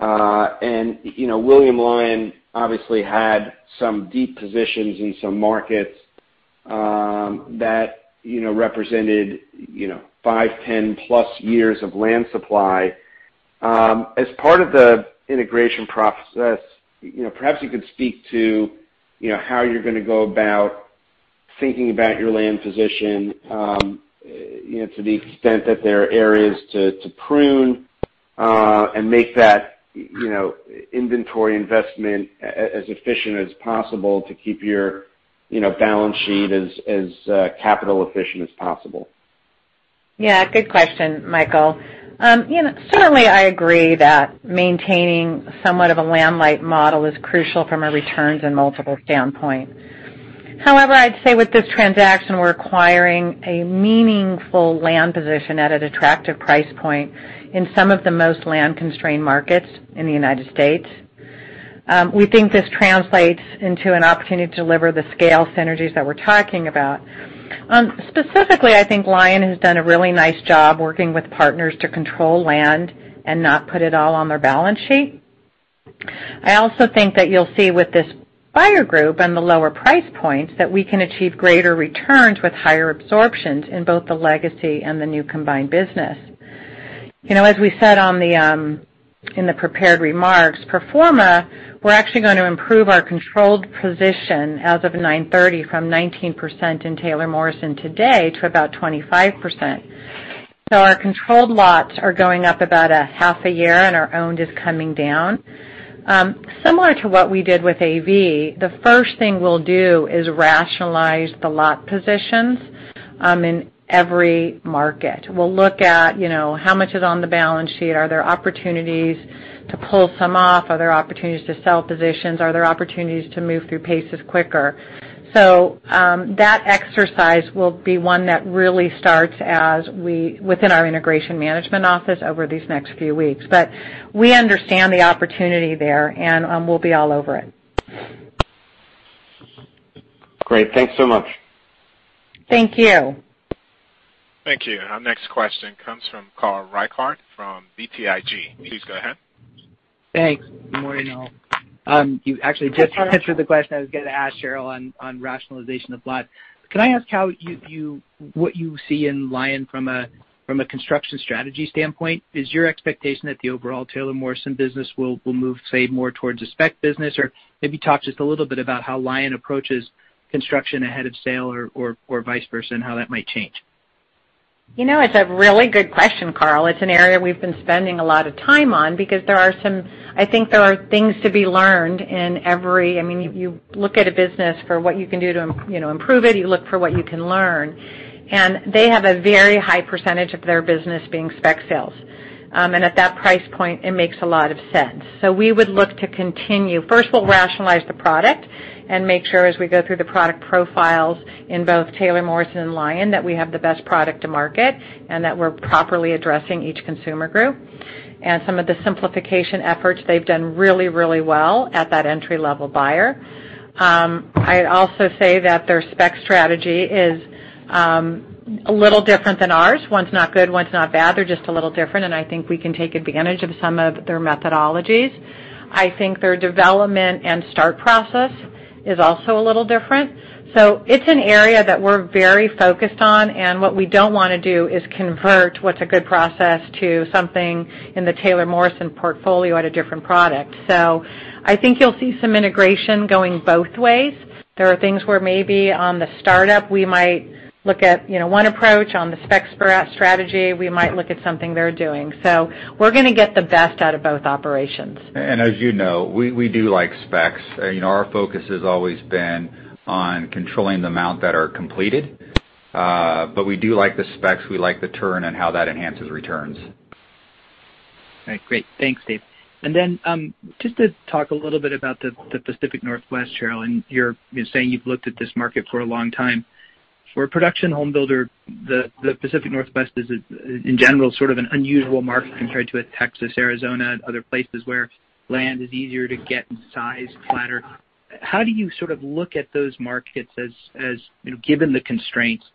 William Lyon obviously had some deep positions in some markets that represented five, 10+ years of land supply. As part of the integration process, perhaps you could speak to how you're going to go about thinking about your land position to the extent that there are areas to prune and make that inventory investment as efficient as possible to keep your balance sheet as capital-efficient as possible. Yeah. Good question, Michael. Certainly, I agree that maintaining somewhat of a landlight model is crucial from a returns and multiples standpoint. However, I'd say with this transaction, we're acquiring a meaningful land position at an attractive price point in some of the most land-constrained markets in the United States. We think this translates into an opportunity to deliver the scale synergies that we're talking about. Specifically, I think Lyon has done a really nice job working with partners to control land and not put it all on their balance sheet. I also think that you'll see with this buyer group and the lower price points that we can achieve greater returns with higher absorptions in both the legacy and the new combined business. As we said in the prepared remarks, pro forma, we're actually going to improve our controlled position as of 9/30 from 19% in Taylor Morrison today to about 25%. So our controlled lots are going up about a half a year, and our owned is coming down. Similar to what we did with AV, the first thing we'll do is rationalize the lot positions in every market. We'll look at how much is on the balance sheet. Are there opportunities to pull some off? Are there opportunities to sell positions? Are there opportunities to move through paces quicker? So that exercise will be one that really starts within our Integration Management Office over these next few weeks. But we understand the opportunity there, and we'll be all over it. Great. Thanks so much. Thank you. Thank you. Our next question comes from Carl Reichardt from BTIG. Please go ahead. Thanks. Good morning, all. You actually just answered the question I was going to ask, Sheryl, on rationalization of lot. Can I ask what you see in Lyon from a construction strategy standpoint? Is your expectation that the overall Taylor Morrison business will move, say, more towards a spec business? Or maybe talk just a little bit about how Lyon approaches construction ahead of sale or vice versa and how that might change? It's a really good question, Carl. It's an area we've been spending a lot of time on because I think there are things to be learned in every. I mean, you look at a business for what you can do to improve it. You look for what you can learn. And they have a very high percentage of their business being spec sales. And at that price point, it makes a lot of sense. So we would look to continue. First, we'll rationalize the product and make sure as we go through the product profiles in both Taylor Morrison and Lyon that we have the best product to market and that we're properly addressing each consumer group. And some of the simplification efforts, they've done really, really well at that entry-level buyer. I'd also say that their spec strategy is a little different than ours. One's not good. One's not bad. They're just a little different. And I think we can take advantage of some of their methodologies. I think their development and start process is also a little different. So it's an area that we're very focused on. And what we don't want to do is convert what's a good process to something in the Taylor Morrison portfolio at a different product. So I think you'll see some integration going both ways. There are things where maybe on the startup, we might look at one approach. On the spec strategy, we might look at something they're doing. So we're going to get the best out of both operations. And as you know, we do like specs. Our focus has always been on controlling the amount that are completed. But we do like the specs. We like the turn and how that enhances returns. All right. Great. Thanks, Dave. And then just to talk a little bit about the Pacific Northwest, Sheryl, and you're saying you've looked at this market for a long time. For a production home builder, the Pacific Northwest is, in general, sort of an unusual market compared to Texas, Arizona, and other places where land is easier to get and sites flatter. How do you sort of look at those markets given the constraints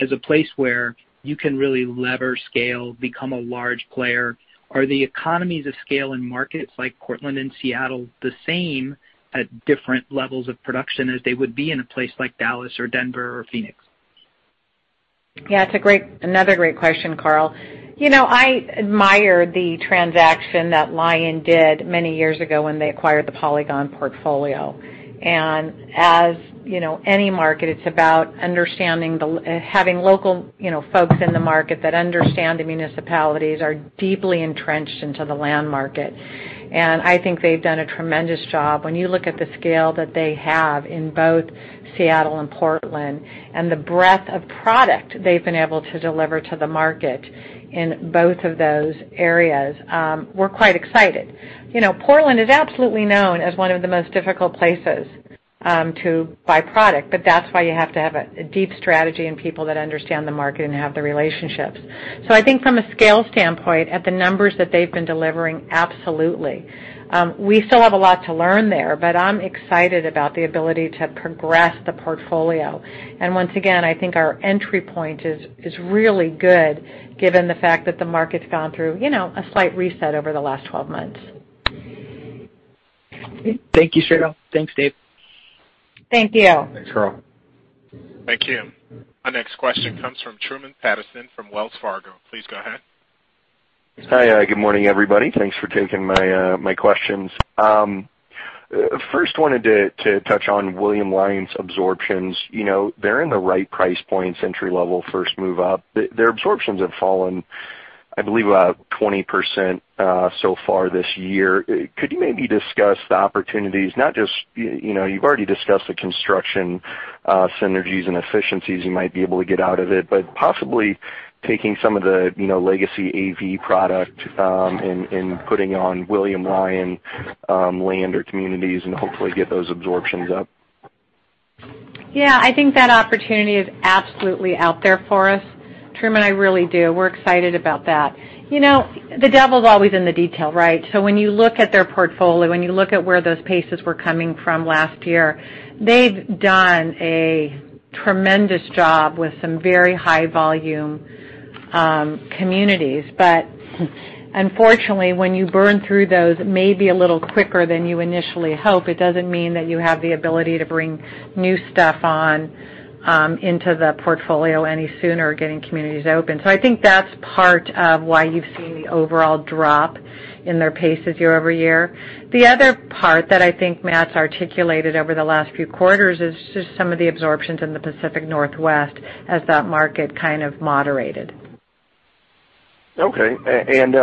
as a place where you can really leverage scale, become a large player? Are the economies of scale in markets like Portland and Seattle the same at different levels of production as they would be in a place like Dallas or Denver or Phoenix? Yeah. It's another great question, Carl. I admire the transaction that Lyon did many years ago when they acquired the Polygon portfolio. And as any market, it's about understanding, having local folks in the market that understand the municipalities, are deeply entrenched into the land market. And I think they've done a tremendous job. When you look at the scale that they have in both Seattle and Portland and the breadth of product they've been able to deliver to the market in both of those areas, we're quite excited. Portland is absolutely known as one of the most difficult places to buy product, but that's why you have to have a deep strategy and people that understand the market and have the relationships. So I think from a scale standpoint, at the numbers that they've been delivering, absolutely. We still have a lot to learn there, but I'm excited about the ability to progress the portfolio. And once again, I think our entry point is really good given the fact that the market's gone through a slight reset over the last 12 months. Thank you, Sheryl. Thanks, Dave. Thank you. Thanks, Sheryl. Thank you. Our next question comes from Truman Patterson from Wells Fargo. Please go ahead. Hi. Good morning, everybody. Thanks for taking my questions. First, wanted to touch on William Lyon's absorptions. They're in the right price points, entry-level, first move-up. Their absorptions have fallen, I believe, about 20% so far this year. Could you maybe discuss the opportunities? Not just you've already discussed the construction synergies and efficiencies you might be able to get out of it, but possibly taking some of the legacy AV product and putting on William Lyon land or communities and hopefully get those absorptions up? Yeah. I think that opportunity is absolutely out there for us. Truman, I really do. We're excited about that. The devil's always in the detail, right? So when you look at their portfolio, when you look at where those paces were coming from last year, they've done a tremendous job with some very high-volume communities. But unfortunately, when you burn through those maybe a little quicker than you initially hope, it doesn't mean that you have the ability to bring new stuff on into the portfolio any sooner or getting communities open. So I think that's part of why you've seen the overall drop in their paces year-over-year. The other part that I think Matt's articulated over the last few quarters is just some of the absorptions in the Pacific Northwest as that market kind of moderated. Okay. And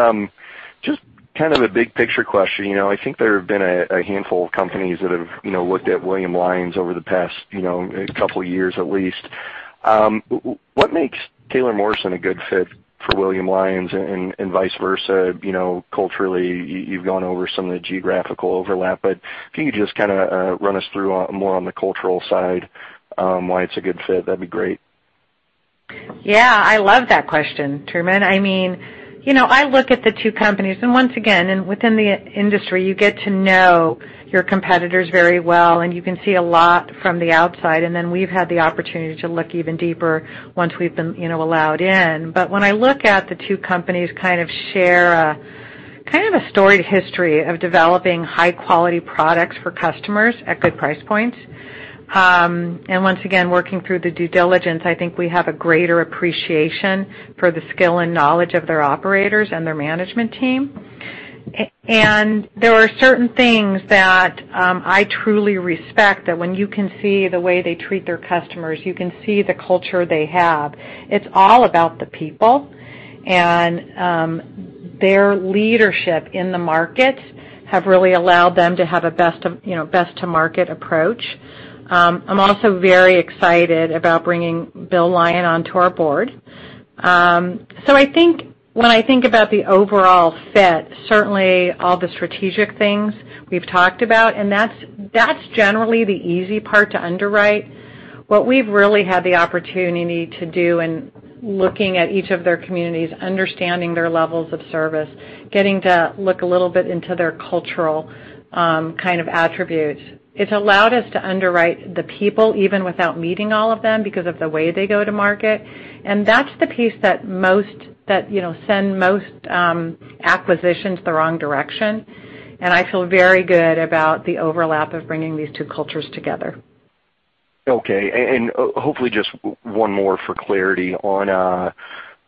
just kind of a big-picture question. I think there have been a handful of companies that have looked at William Lyon over the past couple of years atleast. What makes Taylor Morrison a good fit for William Lyon and vice versa? Culturally, you've gone over some of the geographical overlap. But if you could just kind of run us through more on the cultural side, why it's a good fit, that'd be great. Yeah. I love that question, Truman. I mean, I look at the two companies. And once again, within the industry, you get to know your competitors very well, and you can see a lot from the outside. And then we've had the opportunity to look even deeper once we've been allowed in. But when I look at the two companies kind of share kind of a storied history of developing high-quality products for customers at good price points. And once again, working through the due diligence, I think we have a greater appreciation for the skill and knowledge of their operators and their management team. There are certain things that I truly respect that when you can see the way they treat their customers, you can see the culture they have. It's all about the people. Their leadership in the markets have really allowed them to have a best-to-market approach. I'm also very excited about bringing Bill Lyon onto our board. When I think about the overall fit, certainly all the strategic things we've talked about, and that's generally the easy part to underwrite. What we've really had the opportunity to do in looking at each of their communities, understanding their levels of service, getting to look a little bit into their cultural kind of attributes, it's allowed us to underwrite the people even without meeting all of them because of the way they go to market. That's the piece that sends most acquisitions the wrong direction. And I feel very good about the overlap of bringing these two cultures together. Okay. And hopefully, just one more for clarity on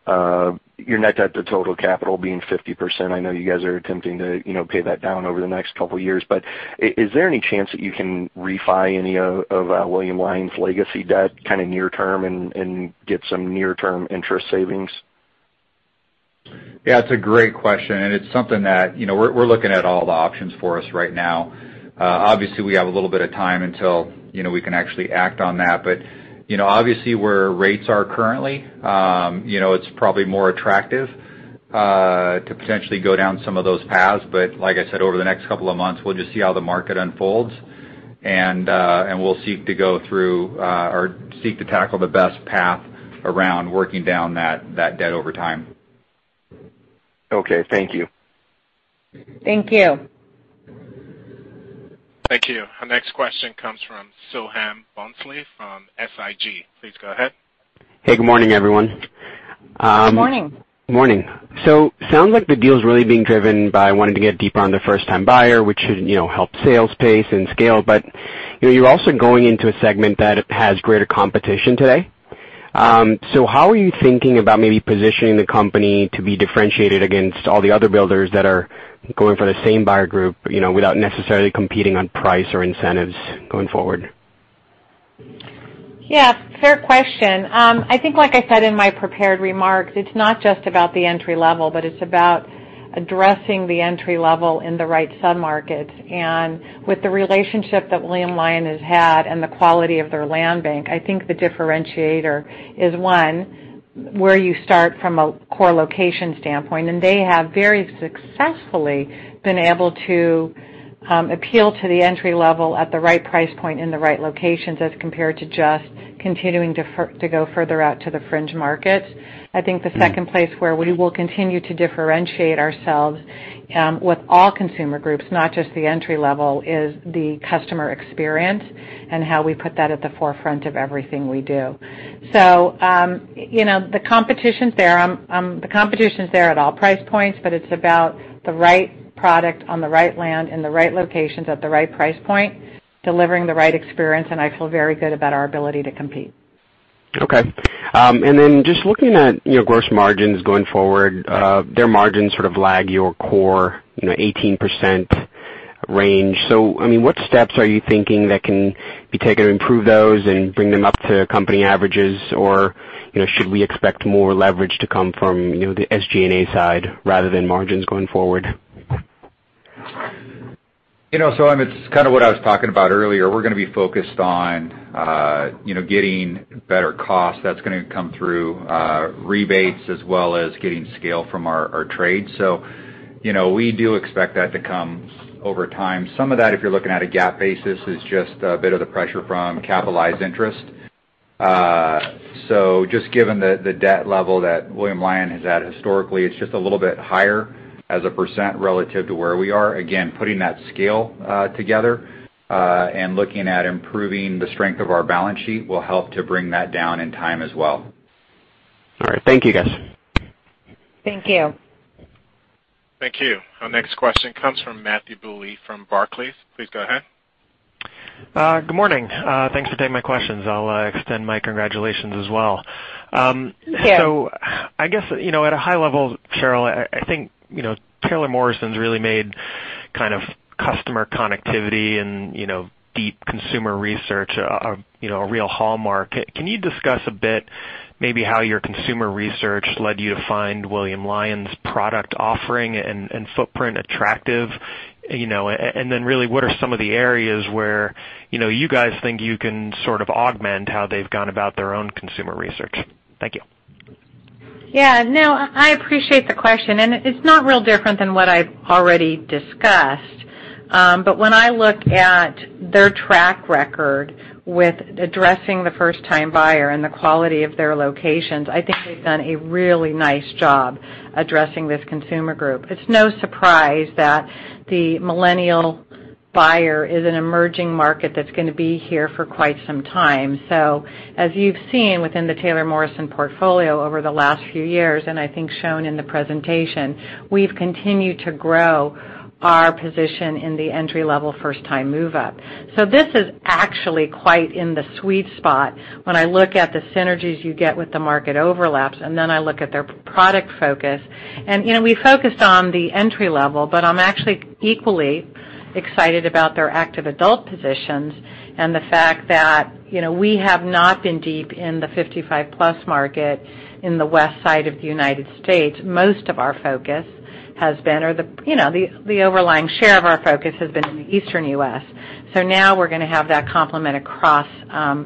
your net debt to total capital being 50%. I know you guys are attempting to pay that down over the next couple of years. But is there any chance that you can refi any of William Lyon's legacy debt kind of near-term and get some near-term interest savings? Yeah. It's a great question. And it's something that we're looking at all the options for us right now. Obviously, we have a little bit of time until we can actually act on that. But obviously, where rates are currently, it's probably more attractive to potentially go down some of those paths. But like I said, over the next couple of months, we'll just see how the market unfolds. And we'll seek to go through or seek to tackle the best path around working down that debt over time. Okay. Thank you. Thank you. Thank you. Our next question comes from Soham Bhonsle from SIG. Please go ahead. Hey. Good morning, everyone. Good morning. Good morning. So it sounds like the deal's really being driven by wanting to get deeper on the first-time buyer, which should help sales pace and scale. But you're also going into a segment that has greater competition today. So how are you thinking about maybe positioning the company to be differentiated against all the other builders that are going for the same buyer group without necessarily competing on price or incentives going forward? Yeah. Fair question. I think, like I said in my prepared remarks, it's not just about the entry level, but it's about addressing the entry level in the right submarkets. And with the relationship that William Lyon has had and the quality of their land bank, I think the differentiator is, one, where you start from a core location standpoint. And they have very successfully been able to appeal to the entry-level at the right price point in the right locations as compared to just continuing to go further out to the fringe markets. I think the second place where we will continue to differentiate ourselves with all consumer groups, not just the entry-level, is the customer experience and how we put that at the forefront of everything we do. So the competition's there. The competition's there at all price points, but it's about the right product on the right land in the right locations at the right price point, delivering the right experience. And I feel very good about our ability to compete. Okay. Just looking at gross margins going forward, their margins sort of lag your core 18% range. I mean, what steps are you thinking that can be taken to improve those and bring them up to company averages? Or should we expect more leverage to come from the SG&A side rather than margins going forward? It's kind of what I was talking about earlier. We're going to be focused on getting better costs. That's going to come through rebates as well as getting scale from our trade. We do expect that to come over time. Some of that, if you're looking at a gap basis, is just a bit of the pressure from capitalized interest. Just given the debt level that William Lyon has had historically, it's just a little bit higher as a percent relative to where we are. Again, putting that scale together and looking at improving the strength of our balance sheet will help to bring that down in time as well. All right. Thank you, guys. Thank you. Thank you. Our next question comes from Matthew Bouley from Barclays. Please go ahead. Good morning. Thanks for taking my questions. I'll extend my congratulations as well. So I guess at a high level, Sheryl, I think Taylor Morrison's really made kind of customer connectivity and deep consumer research a real hallmark. Can you discuss a bit maybe how your consumer research led you to find William Lyon's product offering and footprint attractive? And then really, what are some of the areas where you guys think you can sort of augment how they've gone about their own consumer research? Thank you. Yeah. No, I appreciate the question. And it's not real different than what I've already discussed. But when I look at their track record with addressing the first-time buyer and the quality of their locations, I think they've done a really nice job addressing this consumer group. It's no surprise that the millennial buyer is an emerging market that's going to be here for quite some time. So as you've seen within the Taylor Morrison portfolio over the last few years, and I think shown in the presentation, we've continued to grow our position in the entry-level first-time move-up. So this is actually quite in the sweet spot when I look at the synergies you get with the market overlaps, and then I look at their product focus. And we focused on the entry level, but I'm actually equally excited about their active adult positions and the fact that we have not been deep in the 55+ market in the west side of the United States. Most of our focus has been, or the overlying share of our focus has been, in the Eastern U.S. So now we're going to have that complement across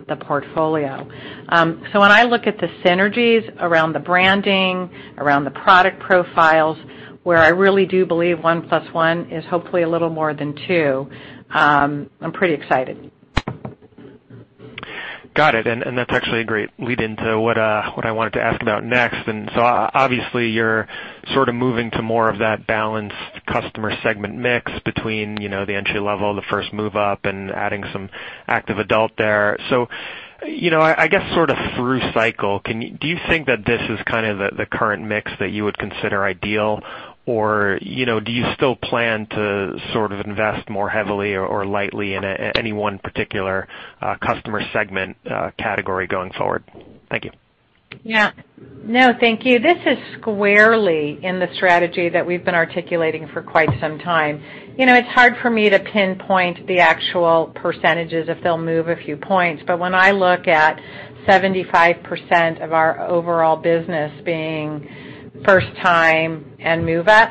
the portfolio. So when I look at the synergies around the branding, around the product profiles, where I really do believe 1+1 is hopefully a little more than two, I'm pretty excited. Got it. And that's actually a great lead into what I wanted to ask about next. And so obviously, you're sort of moving to more of that balanced customer segment mix between the entry level, the first move-up, and adding some active adult there. So I guess sort of through cycle, do you think that this is kind of the current mix that you would consider ideal? Or do you still plan to sort of invest more heavily or lightly in any one particular customer segment category going forward? Thank you. Yeah. No, thank you. This is squarely in the strategy that we've been articulating for quite some time. It's hard for me to pinpoint the actual percentages if they'll move a few points. But when I look at 75% of our overall business being first-time and move-up,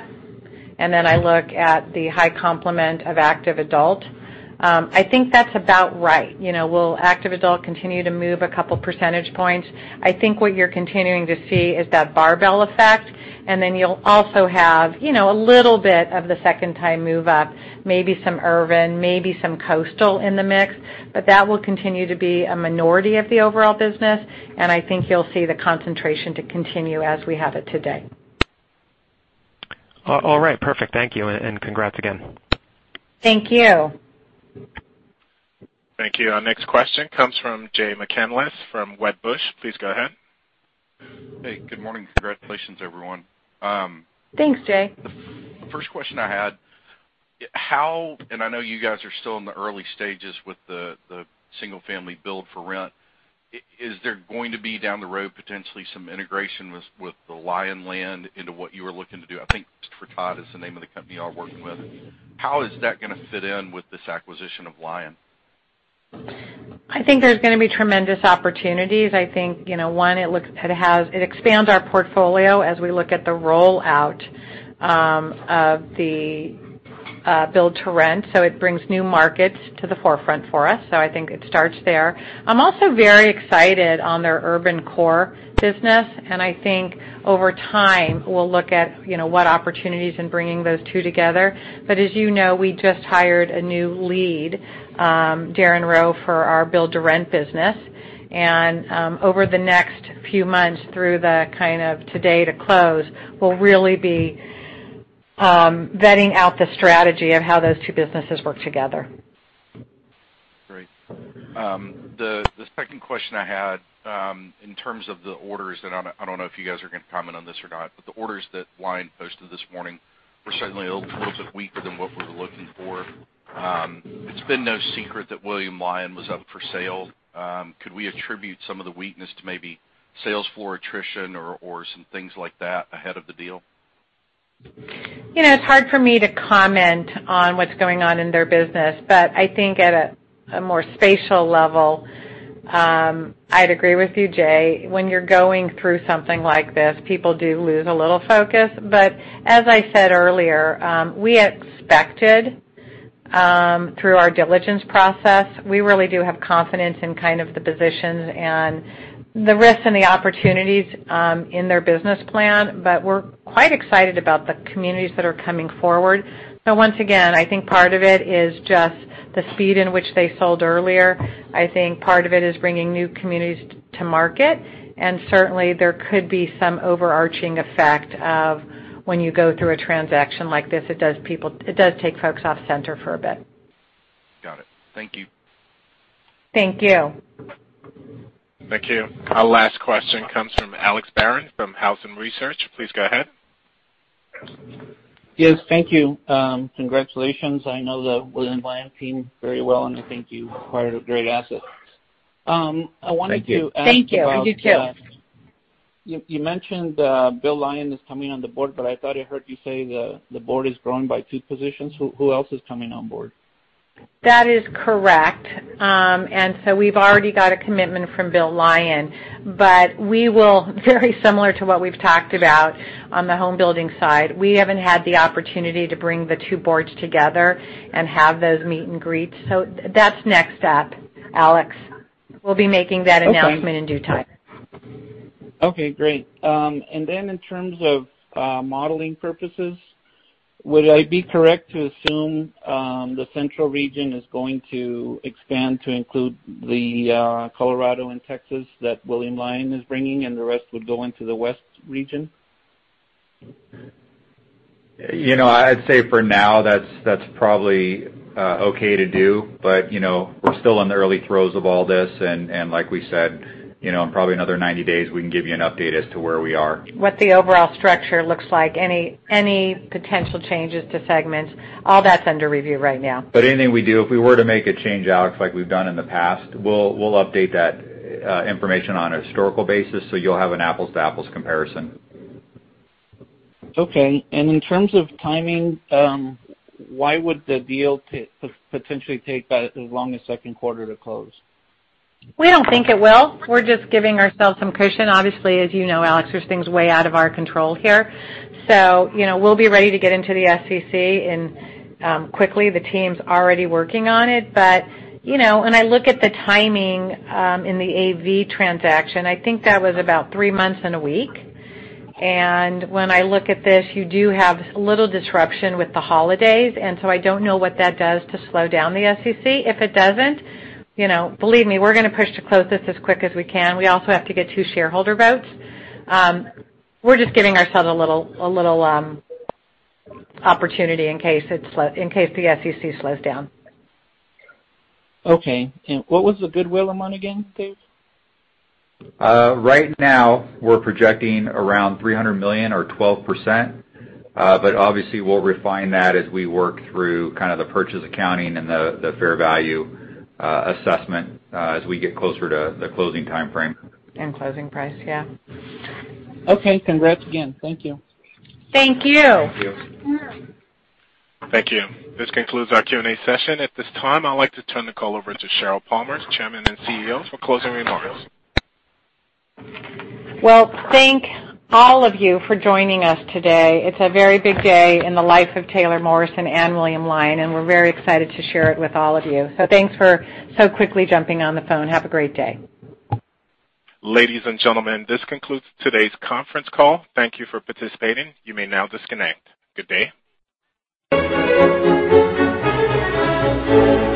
and then I look at the high complement of active adult, I think that's about right. Will active adult continue to move a couple of percentage points? I think what you're continuing to see is that barbell effect. And then you'll also have a little bit of the second-time move-up, maybe some urban, maybe some coastal in the mix. But that will continue to be a minority of the overall business. And I think you'll see the concentration to continue as we have it today. All right. Perfect. Thank you. And congrats again. Thank you. Thank you. Our next question comes from Jay McCanless from Wedbush. Please go ahead. Hey. Good morning. Congratulations, everyone. Thanks, Jay. The first question I had, and I know you guys are still in the early stages with the single-family build-to-rent, is there going to be down the road potentially some integration with the Lyon land into what you were looking to do? I think Christopher Todd is the name of the company you are working with. How is that going to fit in with this acquisition of Lyon? I think there's going to be tremendous opportunities. I think, one, it expands our portfolio as we look at the rollout of the build-to-rent. So it brings new markets to the forefront for us. I think it starts there. I'm also very excited on their urban core business. I think over time, we'll look at what opportunities in bringing those two together. As you know, we just hired a new lead, Darin Rowe, for our build-to-rent business. Over the next few months through the kind of today to close, we'll really be vetting out the strategy of how those two businesses work together. Great. The second question I had in terms of the orders, and I don't know if you guys are going to comment on this or not, but the orders that Lyon posted this morning were certainly a little bit weaker than what we were looking for. It's been no secret that William Lyon was up for sale. Could we attribute some of the weakness to maybe sales floor attrition or some things like that ahead of the deal? It's hard for me to comment on what's going on in their business. But I think at a more spatial level, I'd agree with you, Jay. When you're going through something like this, people do lose a little focus. But as I said earlier, we expected through our diligence process, we really do have confidence in kind of the positions and the risks and the opportunities in their business plan. But we're quite excited about the communities that are coming forward. So once again, I think part of it is just the speed in which they sold earlier. I think part of it is bringing new communities to market. And certainly, there could be some overarching effect of when you go through a transaction like this, it does take folks off center for a bit. Got it. Thank you. Thank you. Thank you. Our last question comes from Alex Barron from Housing Research Center. Please go ahead. Yes. Thank you. Congratulations. I know the William Lyon team very well, and I think you acquired a great asset. I wanted to ask you about. Thank you. You mentioned Bill Lyon is coming on the board, but I thought I heard you say the board is growing by two positions. Who else is coming on board? That is correct. And so we've already got a commitment from Bill Lyon. But we will, very similar to what we've talked about on the home building side, we haven't had the opportunity to bring the two boards together and have those meet and greets. So that's next step, Alex. We'll be making that announcement in due time. Okay. Great. And then in terms of modeling purposes, would I be correct to assume the central region is going to expand to include the Colorado and Texas that William Lyon is bringing, and the rest would go into the west region? I'd say for now, that's probably okay to do. But we're still in the early throes of all this. And like we said, in probably another 90 days, we can give you an update as to where we are. What the overall structure looks like, any potential changes to segments, all that's under review right now. But anything we do, if we were to make a change out, like we've done in the past, we'll update that information on a historical basis so you'll have an apples-to-apples comparison. Okay. And in terms of timing, why would the deal potentially take as long as second quarter to close? We don't think it will. We're just giving ourselves some cushion. Obviously, as you know, Alex, there's things way out of our control here. So we'll be ready to get into the SEC quickly. The team's already working on it. But when I look at the timing in the AV transaction, I think that was about three months and a week. And when I look at this, you do have a little disruption with the holidays. And so I don't know what that does to slow down the SEC. If it doesn't, believe me, we're going to push to close this as quick as we can. We also have to get two shareholder votes. We're just giving ourselves a little opportunity in case the SEC slows down. Okay. And what was the goodwill amount again, Dave? Right now, we're projecting around $300 million or 12%. But obviously, we'll refine that as we work through kind of the purchase accounting and the fair value assessment as we get closer to the closing timeframe. And closing price, yeah. Okay. Congrats again. Thank you. Thank you. Thank you. This concludes our Q&A session. At this time, I'd like to turn the call over to Sheryl Palmer, Chairman and CEO, for closing remarks. Well, thank all of you for joining us today. It's a very big day in the life of Taylor Morrison and William Lyon, and we're very excited to share it with all of you. So thanks for so quickly jumping on the phone. Have a great day. Ladies and gentlemen, this concludes today's conference call. Thank you for participating. You may now disconnect. Good day.